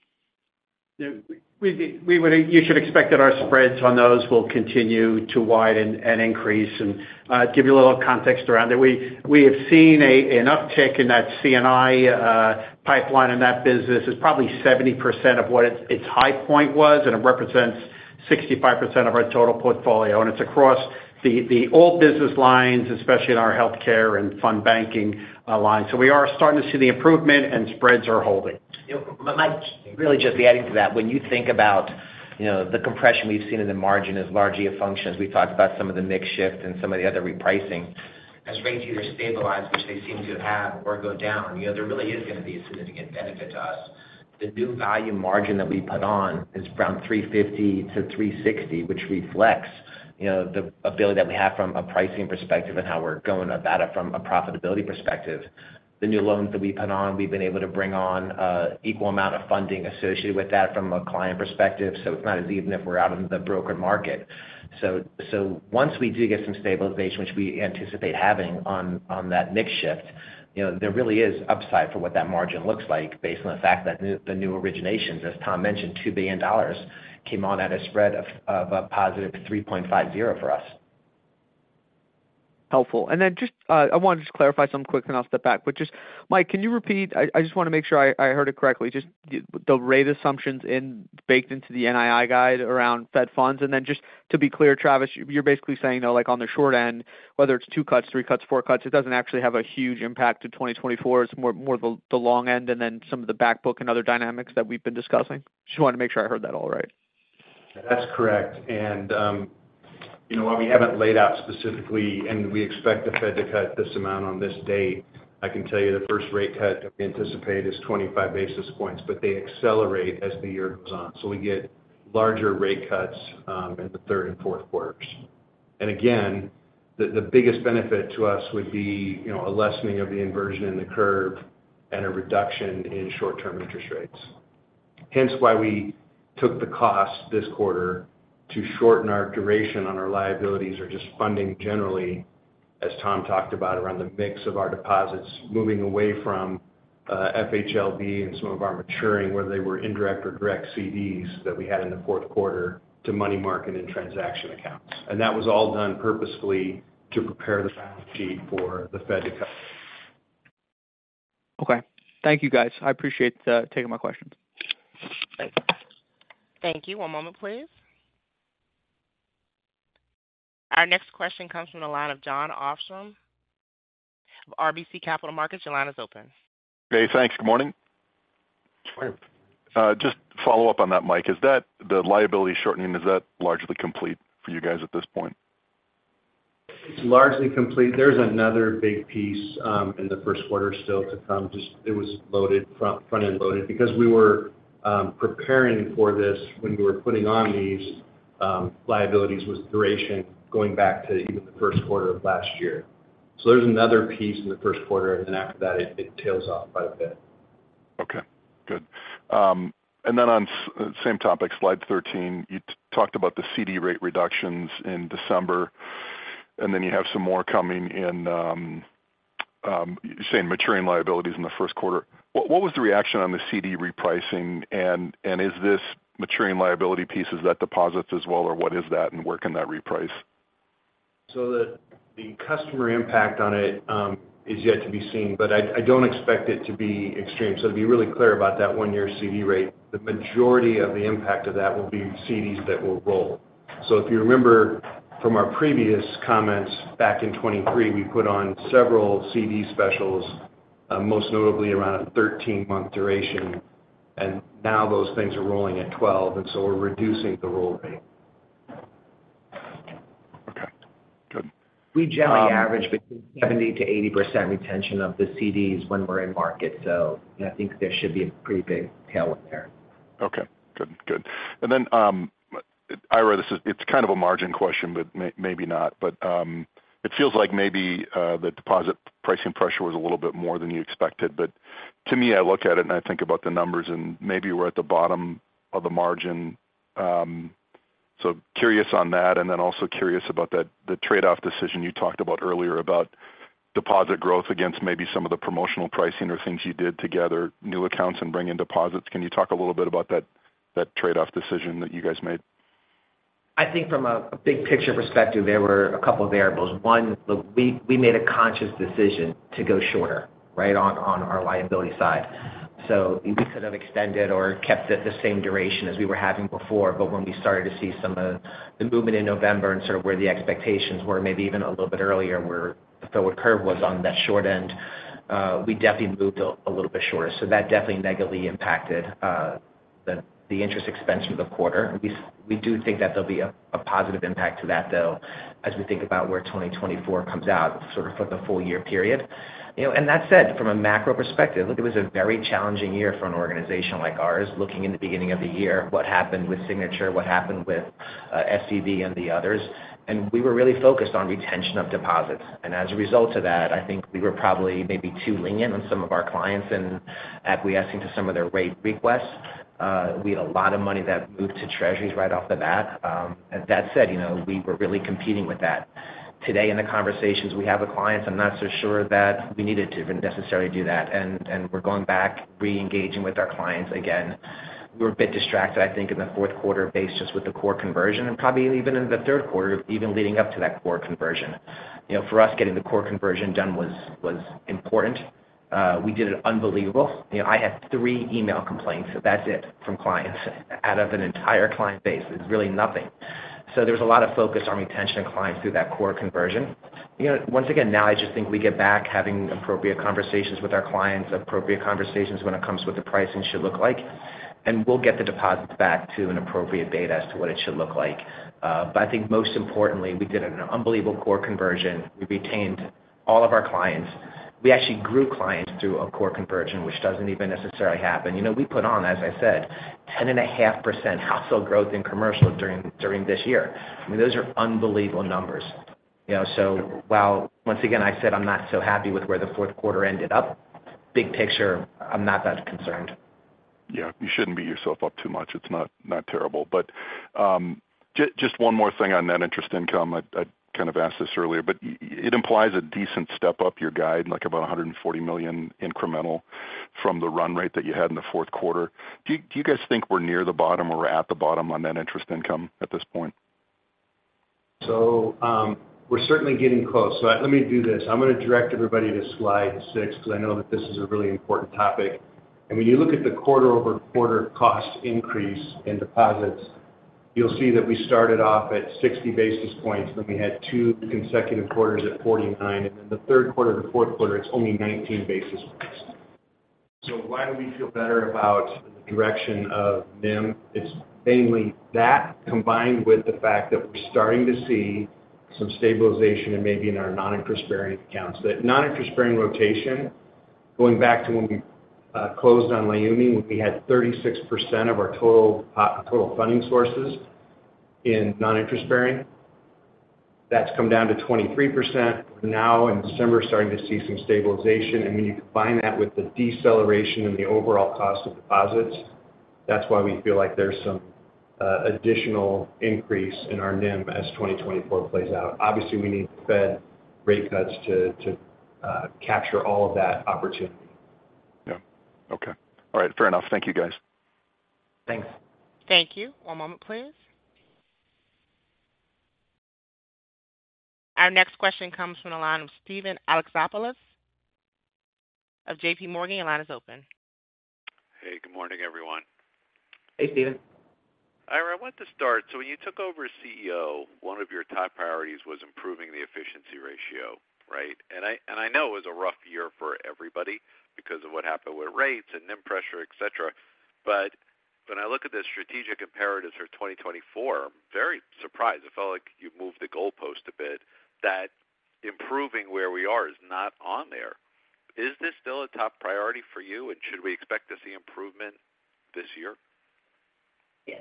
we would—you should expect that our spreads on those will continue to widen and increase. And give you a little context around it. We have seen an uptick in that C&I pipeline, and that business is probably 70% of what its high point was, and it represents 65% of our total portfolio, and it's across the old business lines, especially in our healthcare and fund banking line. So we are starting to see the improvement and spreads are holding. Mike, really just adding to that, when you think about, you know, the compression we've seen in the margin as largely a function, as we talked about some of the mix shift and some of the other repricing, as rates either stabilize, which they seem to have or go down, you know, there really is gonna be a significant benefit to us. The new value margin that we put on is from 3.50%-3.60%, which reflects, you know, the ability that we have from a pricing perspective and how we're going about it from a profitability perspective. The new loans that we put on, we've been able to bring on equal amount of funding associated with that from a client perspective. So it's not as even if we're out in the broker market. So once we do get some stabilization, which we anticipate having on that mix shift, you know, there really is upside for what that margin looks like based on the fact that the new originations, as Tom mentioned, $2 billion came on at a spread of +3.50%for us. Helpful. And then just, I want to just clarify something quick, and I'll step back. But just, Mike, can you repeat? I just want to make sure I heard it correctly. Just the rate assumptions baked into the NII guide around Fed funds. And then just to be clear, Travis, you're basically saying, though, like on the short end, whether it's two cuts, three cuts, four cuts, it doesn't actually have a huge impact to 2024. It's more the long end and then some of the back book and other dynamics that we've been discussing. Just want to make sure I heard that all right. That's correct. And, you know, while we haven't laid out specifically, and we expect the Fed to cut this amount on this date, I can tell you the first rate cut we anticipate is 25 basis points, but they accelerate as the year goes on. So we get larger rate cuts in the third and fourth quarters. And again, the biggest benefit to us would be, you know, a lessening of the inversion in the curve and a reduction in short-term interest rates. Hence, why we took the cost this quarter to shorten our duration on our liabilities or just funding generally, as Tom talked about, around the mix of our deposits, moving away from FHLB and some of our maturing, whether they were indirect or direct CDs that we had in the fourth quarter to money market and transaction accounts. That was all done purposefully to prepare the balance sheet for the Fed to cut. Okay. Thank you, guys. I appreciate taking my questions. Thank you. One moment, please. Our next question comes from the line of Jon Arfstrom of RBC Capital Markets. Your line is open. Hey, thanks. Good morning. Good morning. Just follow up on that, Mike. Is that the liability shortening, is that largely complete for you guys at this point? It's largely complete. There's another big piece in the first quarter still to come. Just it was loaded front-end loaded. Because we were preparing for this when we were putting on these liabilities, was duration going back to even the first quarter of last year. So there's another piece in the first quarter, and then after that, it tails off quite a bit. Okay, good. And then on same topic, slide 13, you talked about the CD rate reductions in December, and then you have some more coming in, you're saying maturing liabilities in the first quarter. What, what was the reaction on the CD repricing? And, and is this maturing liability piece, is that deposits as well, or what is that and where can that reprice? So the customer impact on it is yet to be seen, but I don't expect it to be extreme. So to be really clear about that one-year CD rate, the majority of the impact of that will be CDs that will roll. So if you remember from our previous comments back in 2023, we put on several CD specials, most notably around a 13-month duration, and now those things are rolling at 12, and so we're reducing the roll rate. Okay, good. We generally average between 70%-80% retention of the CDs when we're in market, so I think there should be a pretty big tailwind there. Okay, good. Good. And then, Ira, this is—it's kind of a margin question, but maybe not. But, it feels like maybe the deposit pricing pressure was a little bit more than you expected. But to me, I look at it and I think about the numbers, and maybe we're at the bottom of the margin. So curious on that, and then also curious about that, the trade-off decision you talked about earlier about deposit growth against maybe some of the promotional pricing or things you did to gather new accounts and bring in deposits. Can you talk a little bit about that, that trade-off decision that you guys made? I think from a big picture perspective, there were a couple of variables. One, look, we made a conscious decision to go shorter, right on our liability side. So we could have extended or kept it the same duration as we were having before, but when we started to see some of the movement in November and sort of where the expectations were, maybe even a little bit earlier, where the forward curve was on that short end, we definitely moved a little bit shorter. So that definitely negatively impacted the interest expense for the quarter. We do think that there'll be a positive impact to that, though, as we think about where 2024 comes out, sort of for the full year period. You know, and that said, from a macro perspective, it was a very challenging year for an organization like ours, looking in the beginning of the year, what happened with Signature, what happened with SVB and the others, and we were really focused on retention of deposits. As a result of that, I think we were probably maybe too lenient on some of our clients and acquiescing to some of their rate requests. We had a lot of money that moved to Treasuries right off the bat. That said, you know, we were really competing with that. Today in the conversations we have with clients, I'm not so sure that we needed to necessarily do that, and we're going back, reengaging with our clients again. We were a bit distracted, I think, in the fourth quarter based just with the core conversion, and probably even in the third quarter, even leading up to that core conversion. You know, for us, getting the core conversion done was, was important. We did it unbelievable. You know, I had three email complaints, so that's it, from clients out of an entire client base. It's really nothing. So there was a lot of focus on retention of clients through that core conversion. You know, once again, now I just think we get back having appropriate conversations with our clients, appropriate conversations when it comes to what the pricing should look like... and we'll get the deposits back to an appropriate beta as to what it should look like. But I think most importantly, we did an unbelievable core conversion. We retained all of our clients. We actually grew clients through a core conversion, which doesn't even necessarily happen. You know, we put on, as I said, 10.5% household growth in commercial during this year. I mean, those are unbelievable numbers, you know? So while once again, I said, I'm not so happy with where the fourth quarter ended up, big picture, I'm not that concerned. Yeah, you shouldn't beat yourself up too much. It's not, not terrible. But just one more thing on net interest income. I kind of asked this earlier, but it implies a decent step up your guide, like about $140 million incremental from the run rate that you had in the fourth quarter. Do you guys think we're near the bottom or we're at the bottom on net interest income at this point? We're certainly getting close. So let me do this. I'm going to direct everybody to slide six, because I know that this is a really important topic. And when you look at the quarter-over-quarter cost increase in deposits, you'll see that we started off at 60 basis points, then we had two consecutive quarters at 49, and then the third quarter to fourth quarter, it's only 19 basis points. So why do we feel better about the direction of NIM? It's mainly that, combined with the fact that we're starting to see some stabilization and maybe in our non-interest-bearing accounts. That non-interest-bearing rotation, going back to when we closed on Leumi, when we had 36% of our total funding sources in non-interest-bearing. That's come down to 23%. Now in December, starting to see some stabilization, and when you combine that with the deceleration in the overall cost of deposits, that's why we feel like there's some additional increase in our NIM as 2024 plays out. Obviously, we need the Fed rate cuts to capture all of that opportunity. Yeah. Okay. All right. Fair enough. Thank you, guys. Thanks. Thank you. One moment, please. Our next question comes from the line of Steven Alexopoulos of JPMorgan. Your line is open. Hey, good morning, everyone. Hey, Steven. Ira, I want to start. So when you took over as CEO, one of your top priorities was improving the efficiency ratio, right? And I know it was a rough year for everybody because of what happened with rates and NIM pressure, et cetera, but when I look at the strategic imperatives for 2024, I'm very surprised. It felt like you moved the goalpost a bit, that improving where we are is not on there. Is this still a top priority for you, and should we expect to see improvement this year? Yeah,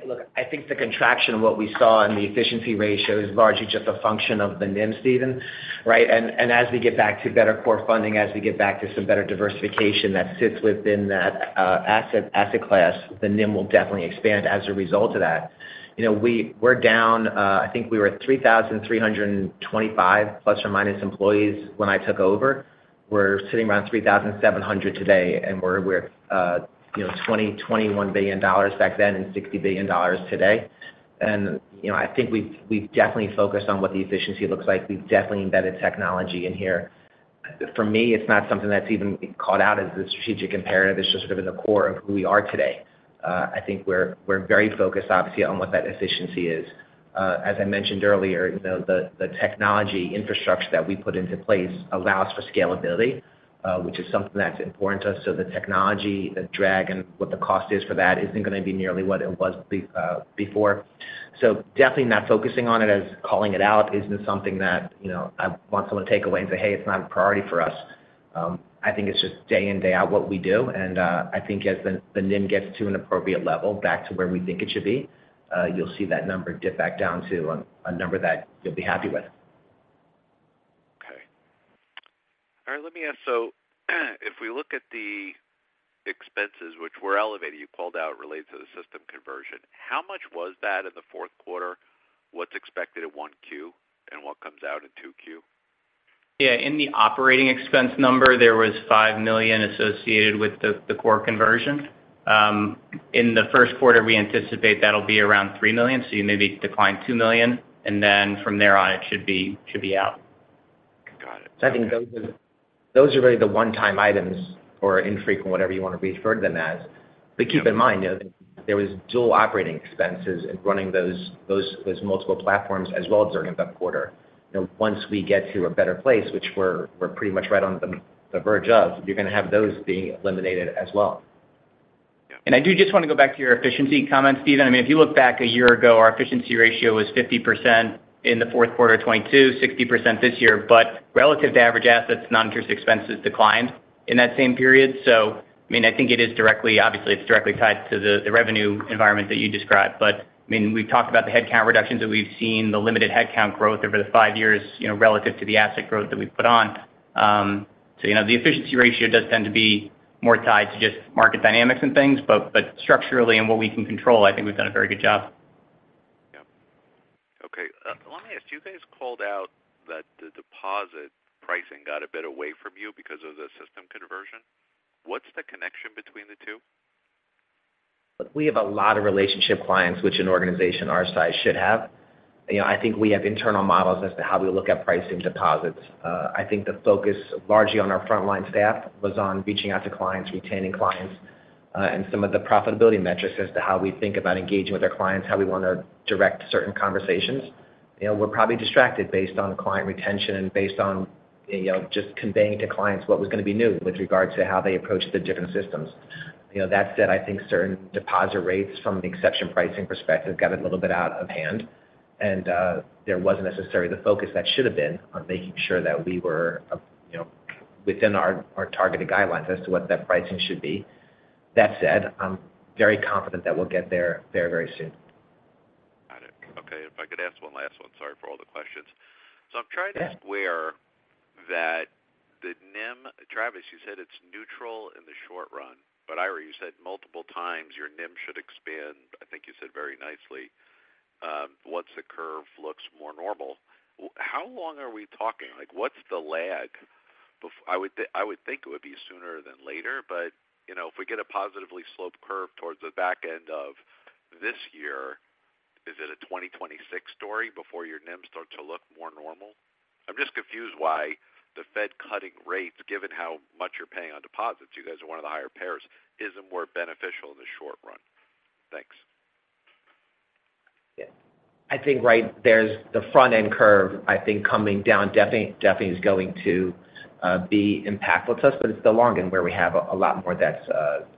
look, I think the contraction of what we saw in the efficiency ratio is largely just a function of the NIM, Steven, right? And as we get back to better core funding, as we get back to some better diversification that sits within that asset class, the NIM will definitely expand as a result of that. You know, we're down... I think we were at 3,325± employees when I took over. We're sitting around 3,700 today, and we're you know $21 billion back then, and $60 billion today. And, you know, I think we've definitely focused on what the efficiency looks like. We've definitely embedded technology in here. For me, it's not something that's even called out as a strategic imperative. It's just sort of in the core of who we are today. I think we're, we're very focused, obviously, on what that efficiency is. As I mentioned earlier, you know, the technology infrastructure that we put into place allows for scalability, which is something that's important to us. So the technology, the drag, and what the cost is for that, isn't gonna be nearly what it was before. So definitely not focusing on it as calling it out, isn't something that, you know, I want someone to take away and say, "Hey, it's not a priority for us." I think it's just day in, day out, what we do. I think as the NIM gets to an appropriate level, back to where we think it should be, you'll see that number dip back down to a number that you'll be happy with. Okay. All right, let me ask, so if we look at the expenses which were elevated, you called out related to the system conversion, how much was that in the fourth quarter? What's expected in 1Q and what comes out in 2Q? Yeah, in the operating expense number, there was $5 million associated with the core conversion. In the first quarter, we anticipate that'll be around $3 million, so you maybe decline $2 million, and then from there on, it should be out. Got it. I think those are really the one-time items or infrequent, whatever you want to refer to them as. But keep in mind, you know, there was dual operating expenses in running those multiple platforms as well during that quarter. You know, once we get to a better place, which we're pretty much right on the verge of, you're gonna have those being eliminated as well. I do just want to go back to your efficiency comments, Steven. I mean, if you look back a year ago, our efficiency ratio was 50% in the fourth quarter of 2022, 60% this year. But relative to average assets, non-interest expenses declined in that same period. So, I mean, I think it is directly, obviously, it's directly tied to the, the revenue environment that you described. But, I mean, we've talked about the headcount reductions that we've seen, the limited headcount growth over the five years, you know, relative to the asset growth that we've put on. So, you know, the efficiency ratio does tend to be more tied to just market dynamics and things, but, but structurally and what we can control, I think we've done a very good job. Yeah. Okay, let me ask, you guys called out that the deposit pricing got a bit away from you because of the system conversion. What's the connection between the two? Look, we have a lot of relationship clients, which an organization our size should have. You know, I think we have internal models as to how we look at pricing deposits. I think the focus largely on our frontline staff was on reaching out to clients, retaining clients, and some of the profitability metrics as to how we think about engaging with our clients, how we want to direct certain conversations. You know, we're probably distracted based on client retention and you know, just conveying to clients what was going to be new with regard to how they approached the different systems. You know, that said, I think certain deposit rates from the exception pricing perspective got it a little bit out of hand, and there wasn't necessarily the focus that should have been on making sure that we were, you know, within our, our targeted guidelines as to what that pricing should be. That said, I'm very confident that we'll get there very, very soon. Got it. Okay. If I could ask one last one. Sorry for all the questions. So I'm trying to square that the NIM—Travis, you said it's neutral in the short run, but Ira, you said multiple times your NIM should expand. I think you said very nicely once the curve looks more normal. How long are we talking? Like, what's the lag? I would think it would be sooner than later, but, you know, if we get a positively sloped curve towards the back end of this year, is it a 2026 story before your NIM starts to look more normal? I'm just confused why the Fed cutting rates, given how much you're paying on deposits, you guys are one of the higher payers, isn't more beneficial in the short run. Thanks. Yeah. I think right there's the front-end curve, I think coming down definitely, definitely is going to be impactful to us, but it's the long end where we have a lot more of that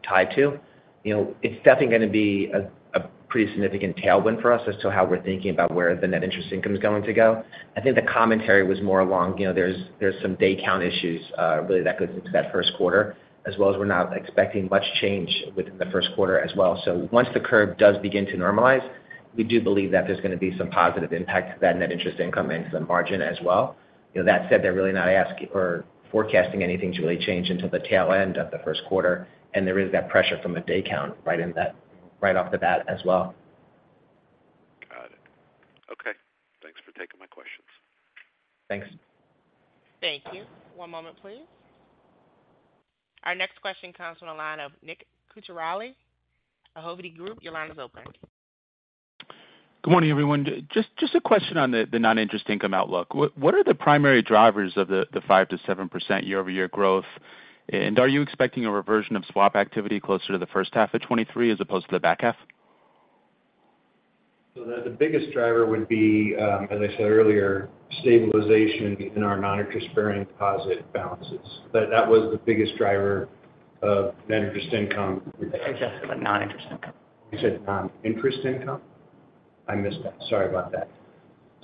tied to. You know, it's definitely gonna be a pretty significant tailwind for us as to how we're thinking about where the net interest income is going to go. I think the commentary was more along, you know, there's some day count issues really that goes into that first quarter, as well as we're not expecting much change within the first quarter as well. So once the curve does begin to normalize, we do believe that there's gonna be some positive impact to that net interest income and to the margin as well. You know, that said, they're really not asking or forecasting anything to really change until the tail end of the first quarter, and there is that pressure from a day count right off the bat as well. Got it. Okay. Thanks for taking my questions. Thanks. Thank you. One moment, please. Our next question comes from the line of Nick Cucharale, Hovde Group. Your line is open. Good morning, everyone. Just a question on the non-interest income outlook. What are the primary drivers of the 5%-7% year-over-year growth? And are you expecting a reversion of swap activity closer to the first half of 2023 as opposed to the back half? So the biggest driver would be, as I said earlier, stabilization in our non-interest-bearing deposit balances. That was the biggest driver of net interest income. He talked about non-interest income. He said non-interest income? I missed that. Sorry about that.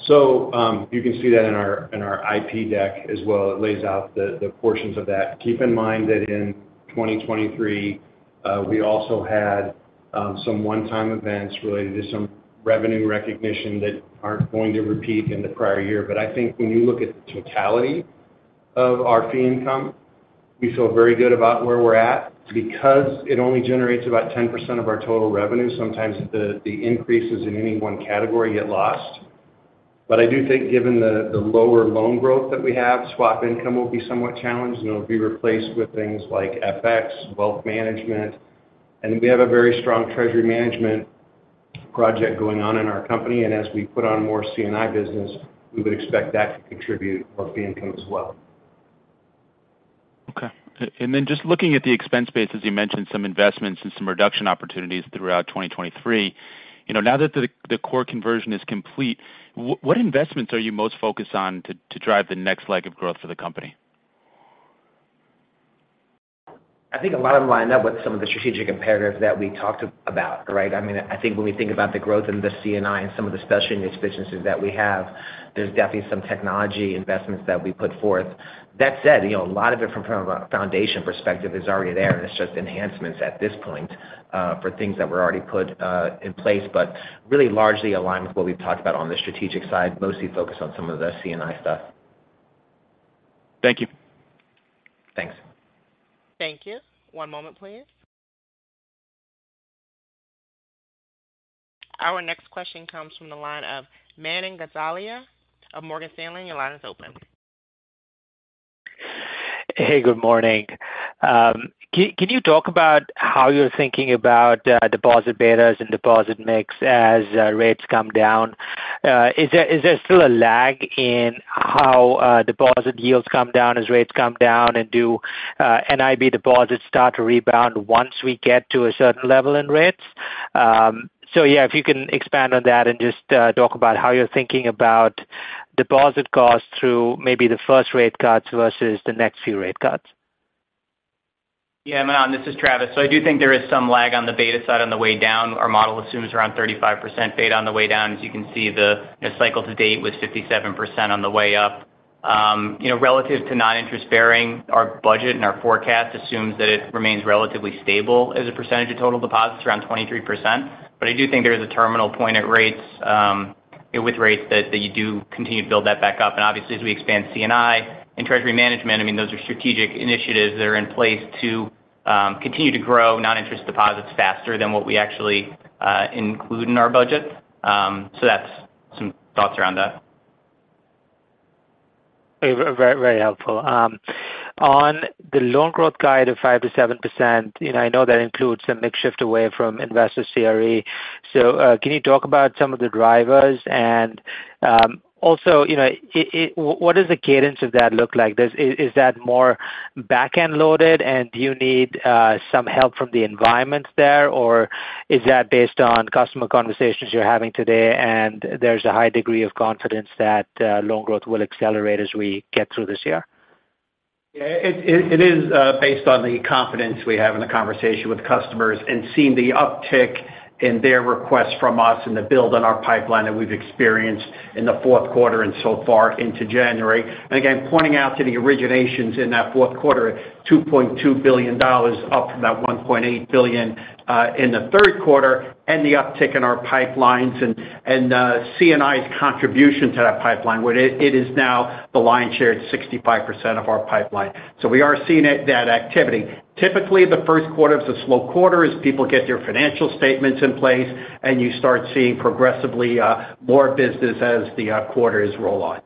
So, you can see that in our, in our IP deck as well. It lays out the, the portions of that. Keep in mind that in 2023, we also had, some one-time events related to some revenue recognition that aren't going to repeat in the prior year. But I think when you look at the totality of our fee income, we feel very good about where we're at because it only generates about 10% of our total revenue. Sometimes the, the increases in any one category get lost. But I do think given the, the lower loan growth that we have, swap income will be somewhat challenged, and it'll be replaced with things like FX, wealth management. We have a very strong treasury management project going on in our company, and as we put on more C&I business, we would expect that to contribute to wealth income as well. Okay. And then just looking at the expense base, as you mentioned, some investments and some reduction opportunities throughout 2023. You know, now that the core conversion is complete, what investments are you most focused on to drive the next leg of growth for the company? I think a lot of them line up with some of the strategic imperatives that we talked about, right? I mean, I think when we think about the growth in the C&I and some of the specialty niche businesses that we have, there's definitely some technology investments that we put forth. That said, you know, a lot of it from a foundation perspective is already there, and it's just enhancements at this point for things that were already put in place, but really largely aligned with what we've talked about on the strategic side, mostly focused on some of the C&I stuff. Thank you. Thanks. Thank you. One moment, please. Our next question comes from the line of Manan Gosalia of Morgan Stanley. Your line is open. Hey, good morning. Can you talk about how you're thinking about deposit betas and deposit mix as rates come down? Is there still a lag in how deposit yields come down as rates come down, and do NIB deposits start to rebound once we get to a certain level in rates? So yeah, if you can expand on that and just talk about how you're thinking about deposit costs through maybe the first rate cuts versus the next few rate cuts. Yeah, Manan, this is Travis. So I do think there is some lag on the beta side on the way down. Our model assumes around 35% beta on the way down. As you can see, the cycle to date was 57% on the way up. You know, relative to non-interest bearing, our budget and our forecast assumes that it remains relatively stable as a percentage of total deposits, around 23%. But I do think there is a terminal point at rates with rates that you do continue to build that back up. And obviously, as we expand C&I and treasury management, I mean, those are strategic initiatives that are in place to continue to grow non-interest deposits faster than what we actually include in our budget. So that's some thoughts around that. Very, very helpful. On the loan growth guide of 5%-7%, you know, I know that includes a mix shift away from investor CRE. So, can you talk about some of the drivers? You know, what does the cadence of that look like? Is that more back-end loaded, and do you need some help from the environment there, or is that based on customer conversations you're having today, and there's a high degree of confidence that loan growth will accelerate as we get through this year? Yeah, it is based on the confidence we have in the conversation with customers and seeing the uptick in their request from us and the build on our pipeline that we've experienced in the fourth quarter and so far into January. And again, pointing out to the originations in that fourth quarter, $2.2 billion up from that $1.8 billion in the third quarter, and the uptick in our pipelines and C&I's contribution to that pipeline, where it is now the lion's share, it's 65% of our pipeline. So we are seeing it, that activity. Typically, the first quarter is a slow quarter as people get their financial statements in place, and you start seeing progressively more business as the quarters roll on.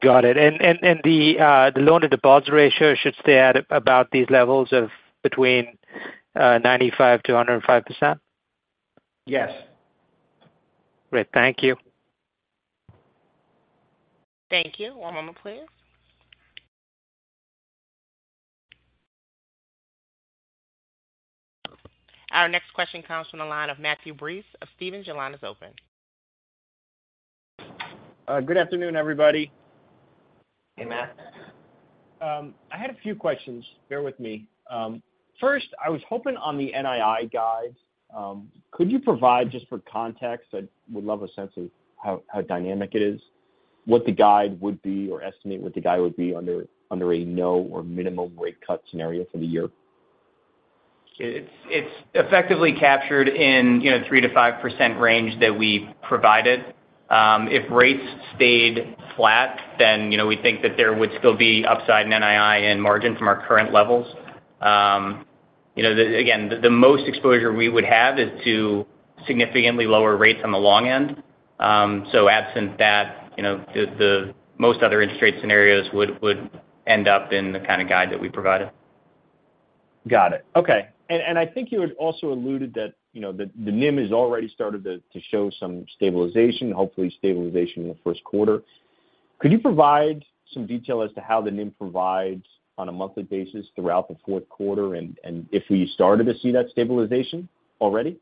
Got it. And the loan-to-deposit ratio should stay at about these levels of between 95%-105%? Yes. Great. Thank you. Thank you. One moment, please. Our next question comes from the line of Matthew Breese of Stephens. Your line is open. Good afternoon, everybody. Hey, Matt. I had a few questions. Bear with me. First, I was hoping on the NII guide, could you provide, just for context, I would love a sense of how dynamic it is, what the guide would be, or estimate what the guide would be under a no or minimum rate cut scenario for the year? It's effectively captured in, you know, the 3%-5% range that we provided. If rates stayed flat, then, you know, we think that there would still be upside in NII and margin from our current levels. You know, again, the most exposure we would have is to significantly lower rates on the long end. So absent that, you know, the most other interest rate scenarios would end up in the kind of guide that we provided. Got it. Okay. And I think you had also alluded that, you know, that the NIM has already started to show some stabilization, hopefully stabilization in the first quarter. Could you provide some detail as to how the NIM provides on a monthly basis throughout the fourth quarter, and if we started to see that stabilization already?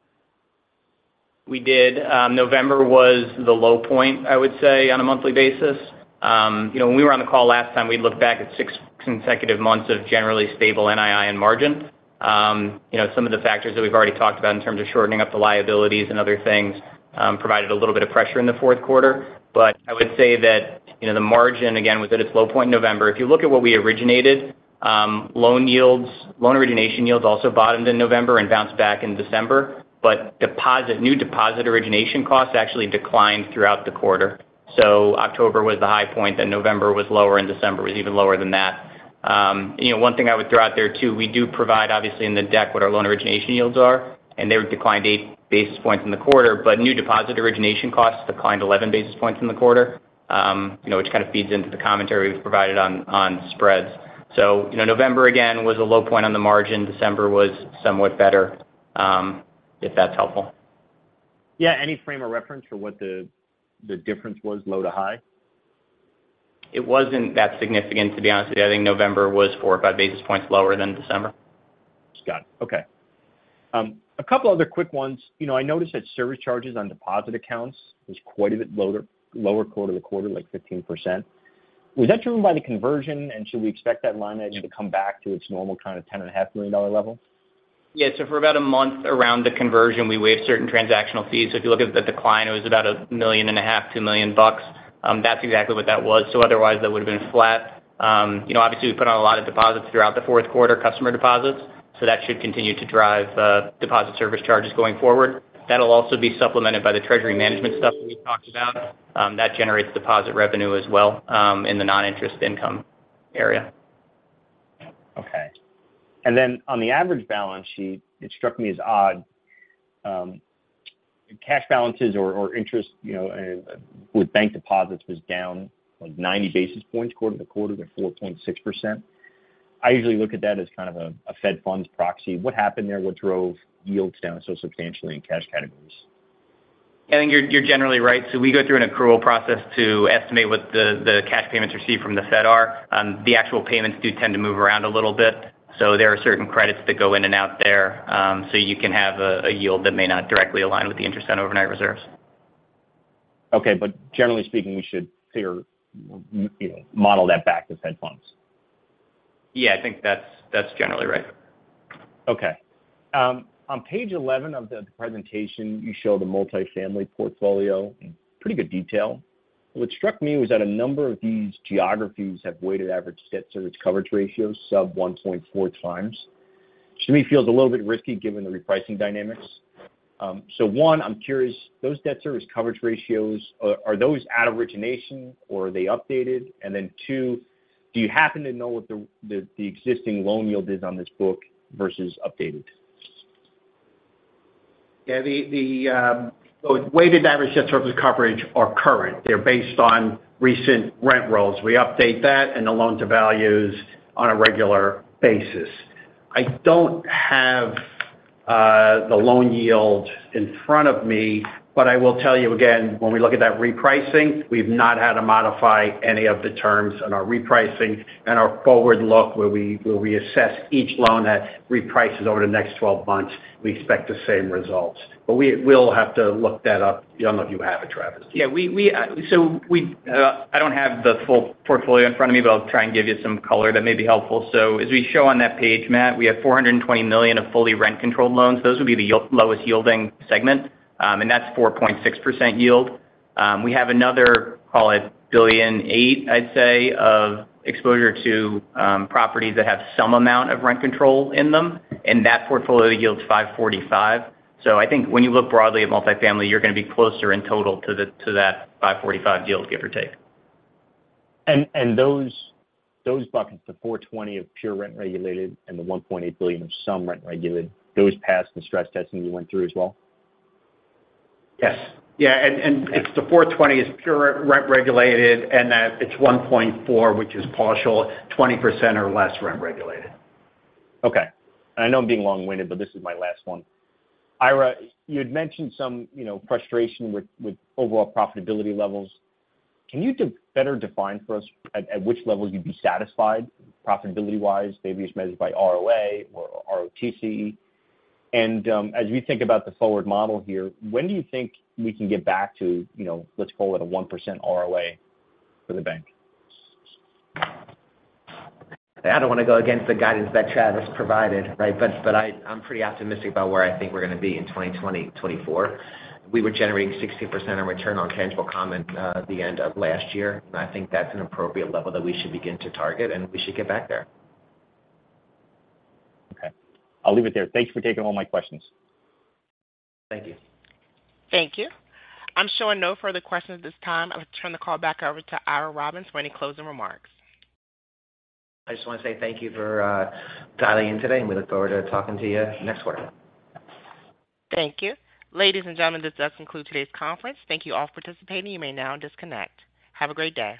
We did. November was the low point, I would say, on a monthly basis. You know, when we were on the call last time, we looked back at six consecutive months of generally stable NII and margin. You know, some of the factors that we've already talked about in terms of shortening up the liabilities and other things, provided a little bit of pressure in the fourth quarter. But I would say that, you know, the margin, again, was at its low point in November. If you look at what we originated, loan yields, loan origination yields also bottomed in November and bounced back in December. But deposit, new deposit origination costs actually declined throughout the quarter. So October was the high point, then November was lower, and December was even lower than that. You know, one thing I would throw out there, too, we do provide, obviously, in the deck, what our loan origination yields are, and they declined eight basis points in the quarter, but new deposit origination costs declined 11 basis points in the quarter. You know, which kind of feeds into the commentary we've provided on, on spreads. So, you know, November, again, was a low point on the margin. December was somewhat better, if that's helpful. Yeah. Any frame of reference for what the difference was low to high? It wasn't that significant, to be honest with you. I think November was four or five basis points lower than December. Got it. Okay. A couple other quick ones. You know, I noticed that service charges on deposit accounts was quite a bit lower, lower quarter-over-quarter, like 15%. Was that driven by the conversion, and should we expect that line item to come back to its normal kind of $10.5 million level? Yeah, so for about a month around the conversion, we waived certain transactional fees. So if you look at the decline, it was about $1.5 million-$2 million. That's exactly what that was. So otherwise, that would have been flat. You know, obviously, we put on a lot of deposits throughout the fourth quarter, customer deposits, so that should continue to drive deposit service charges going forward. That'll also be supplemented by the treasury management stuff that we talked about, that generates deposit revenue as well, in the non-interest income area. Okay. And then on the average balance sheet, it struck me as odd, cash balances or interest, you know, with bank deposits was down, like 90 basis points quarter-over-quarter to 4.6%. I usually look at that as kind of a Fed funds' proxy. What happened there? What drove yields down so substantially in cash categories? I think you're generally right. So we go through an accrual process to estimate what the cash payments received from the Fed are. The actual payments do tend to move around a little bit, so there are certain credits that go in and out there. So you can have a yield that may not directly align with the interest on overnight reserves. Okay, but generally speaking, we should figure, you know, model that back to Fed funds? Yeah, I think that's, that's generally right. Okay. On page 11 of the presentation, you show the multifamily portfolio in pretty good detail. What struck me was that a number of these geographies have weighted average debt service coverage ratios, sub 1.4x. To me, it feels a little bit risky, given the repricing dynamics. So one, I'm curious, those debt service coverage ratios, are those at origination or are they updated? And then two, do you happen to know what the existing loan yield is on this book versus updated? Yeah, the weighted average debt service coverage are current. They're based on recent rent rolls. We update that and the loan to values on a regular basis. I don't have the loan yield in front of me, but I will tell you again, when we look at that repricing, we've not had to modify any of the terms on our repricing and our forward look, where we assess each loan that reprices over the next 12 months, we expect the same results. But we'll have to look that up. I don't know if you have it, Travis. Yeah, we so we, I don't have the full portfolio in front of me, but I'll try and give you some color that may be helpful. So as we show on that page, Matt, we have $420 million of fully rent-controlled loans. Those would be the lowest yielding segment, and that's 4.6% yield. We have another, call it $1.8 billion, I'd say, of exposure to properties that have some amount of rent control in them, and that portfolio yields 5.45%. So I think when you look broadly at multifamily, you're going to be closer in total to that 5.45% yield, give or take. Those buckets, the $420 million of pure rent-regulated and the $1.8 billion of some rent-regulated, those passed the stress testing you went through as well? Yes. Yeah, and, and it's the $420 million is pure rent-regulated, and that it's 1.4x, which is partial, 20% or less rent-regulated. Okay. I know I'm being long-winded, but this is my last one. Ira, you had mentioned some, you know, frustration with overall profitability levels. Can you better define for us at which level you'd be satisfied profitability-wise, maybe it's measured by ROA or ROTCE? And as we think about the forward model here, when do you think we can get back to, you know, let's call it a 1% ROA for the bank? I don't want to go against the guidance that Travis provided, right? But, but I, I'm pretty optimistic about where I think we're going to be in 2024. We were generating 60% on return on tangible common at the end of last year, and I think that's an appropriate level that we should begin to target, and we should get back there. Okay. I'll leave it there. Thanks for taking all my questions. Thank you. Thank you. I'm showing no further questions at this time. I would turn the call back over to Ira Robbins for any closing remarks. I just want to say thank you for dialing in today, and we look forward to talking to you next quarter. Thank you. Ladies and gentlemen, this does conclude today's conference. Thank you all for participating. You may now disconnect. Have a great day!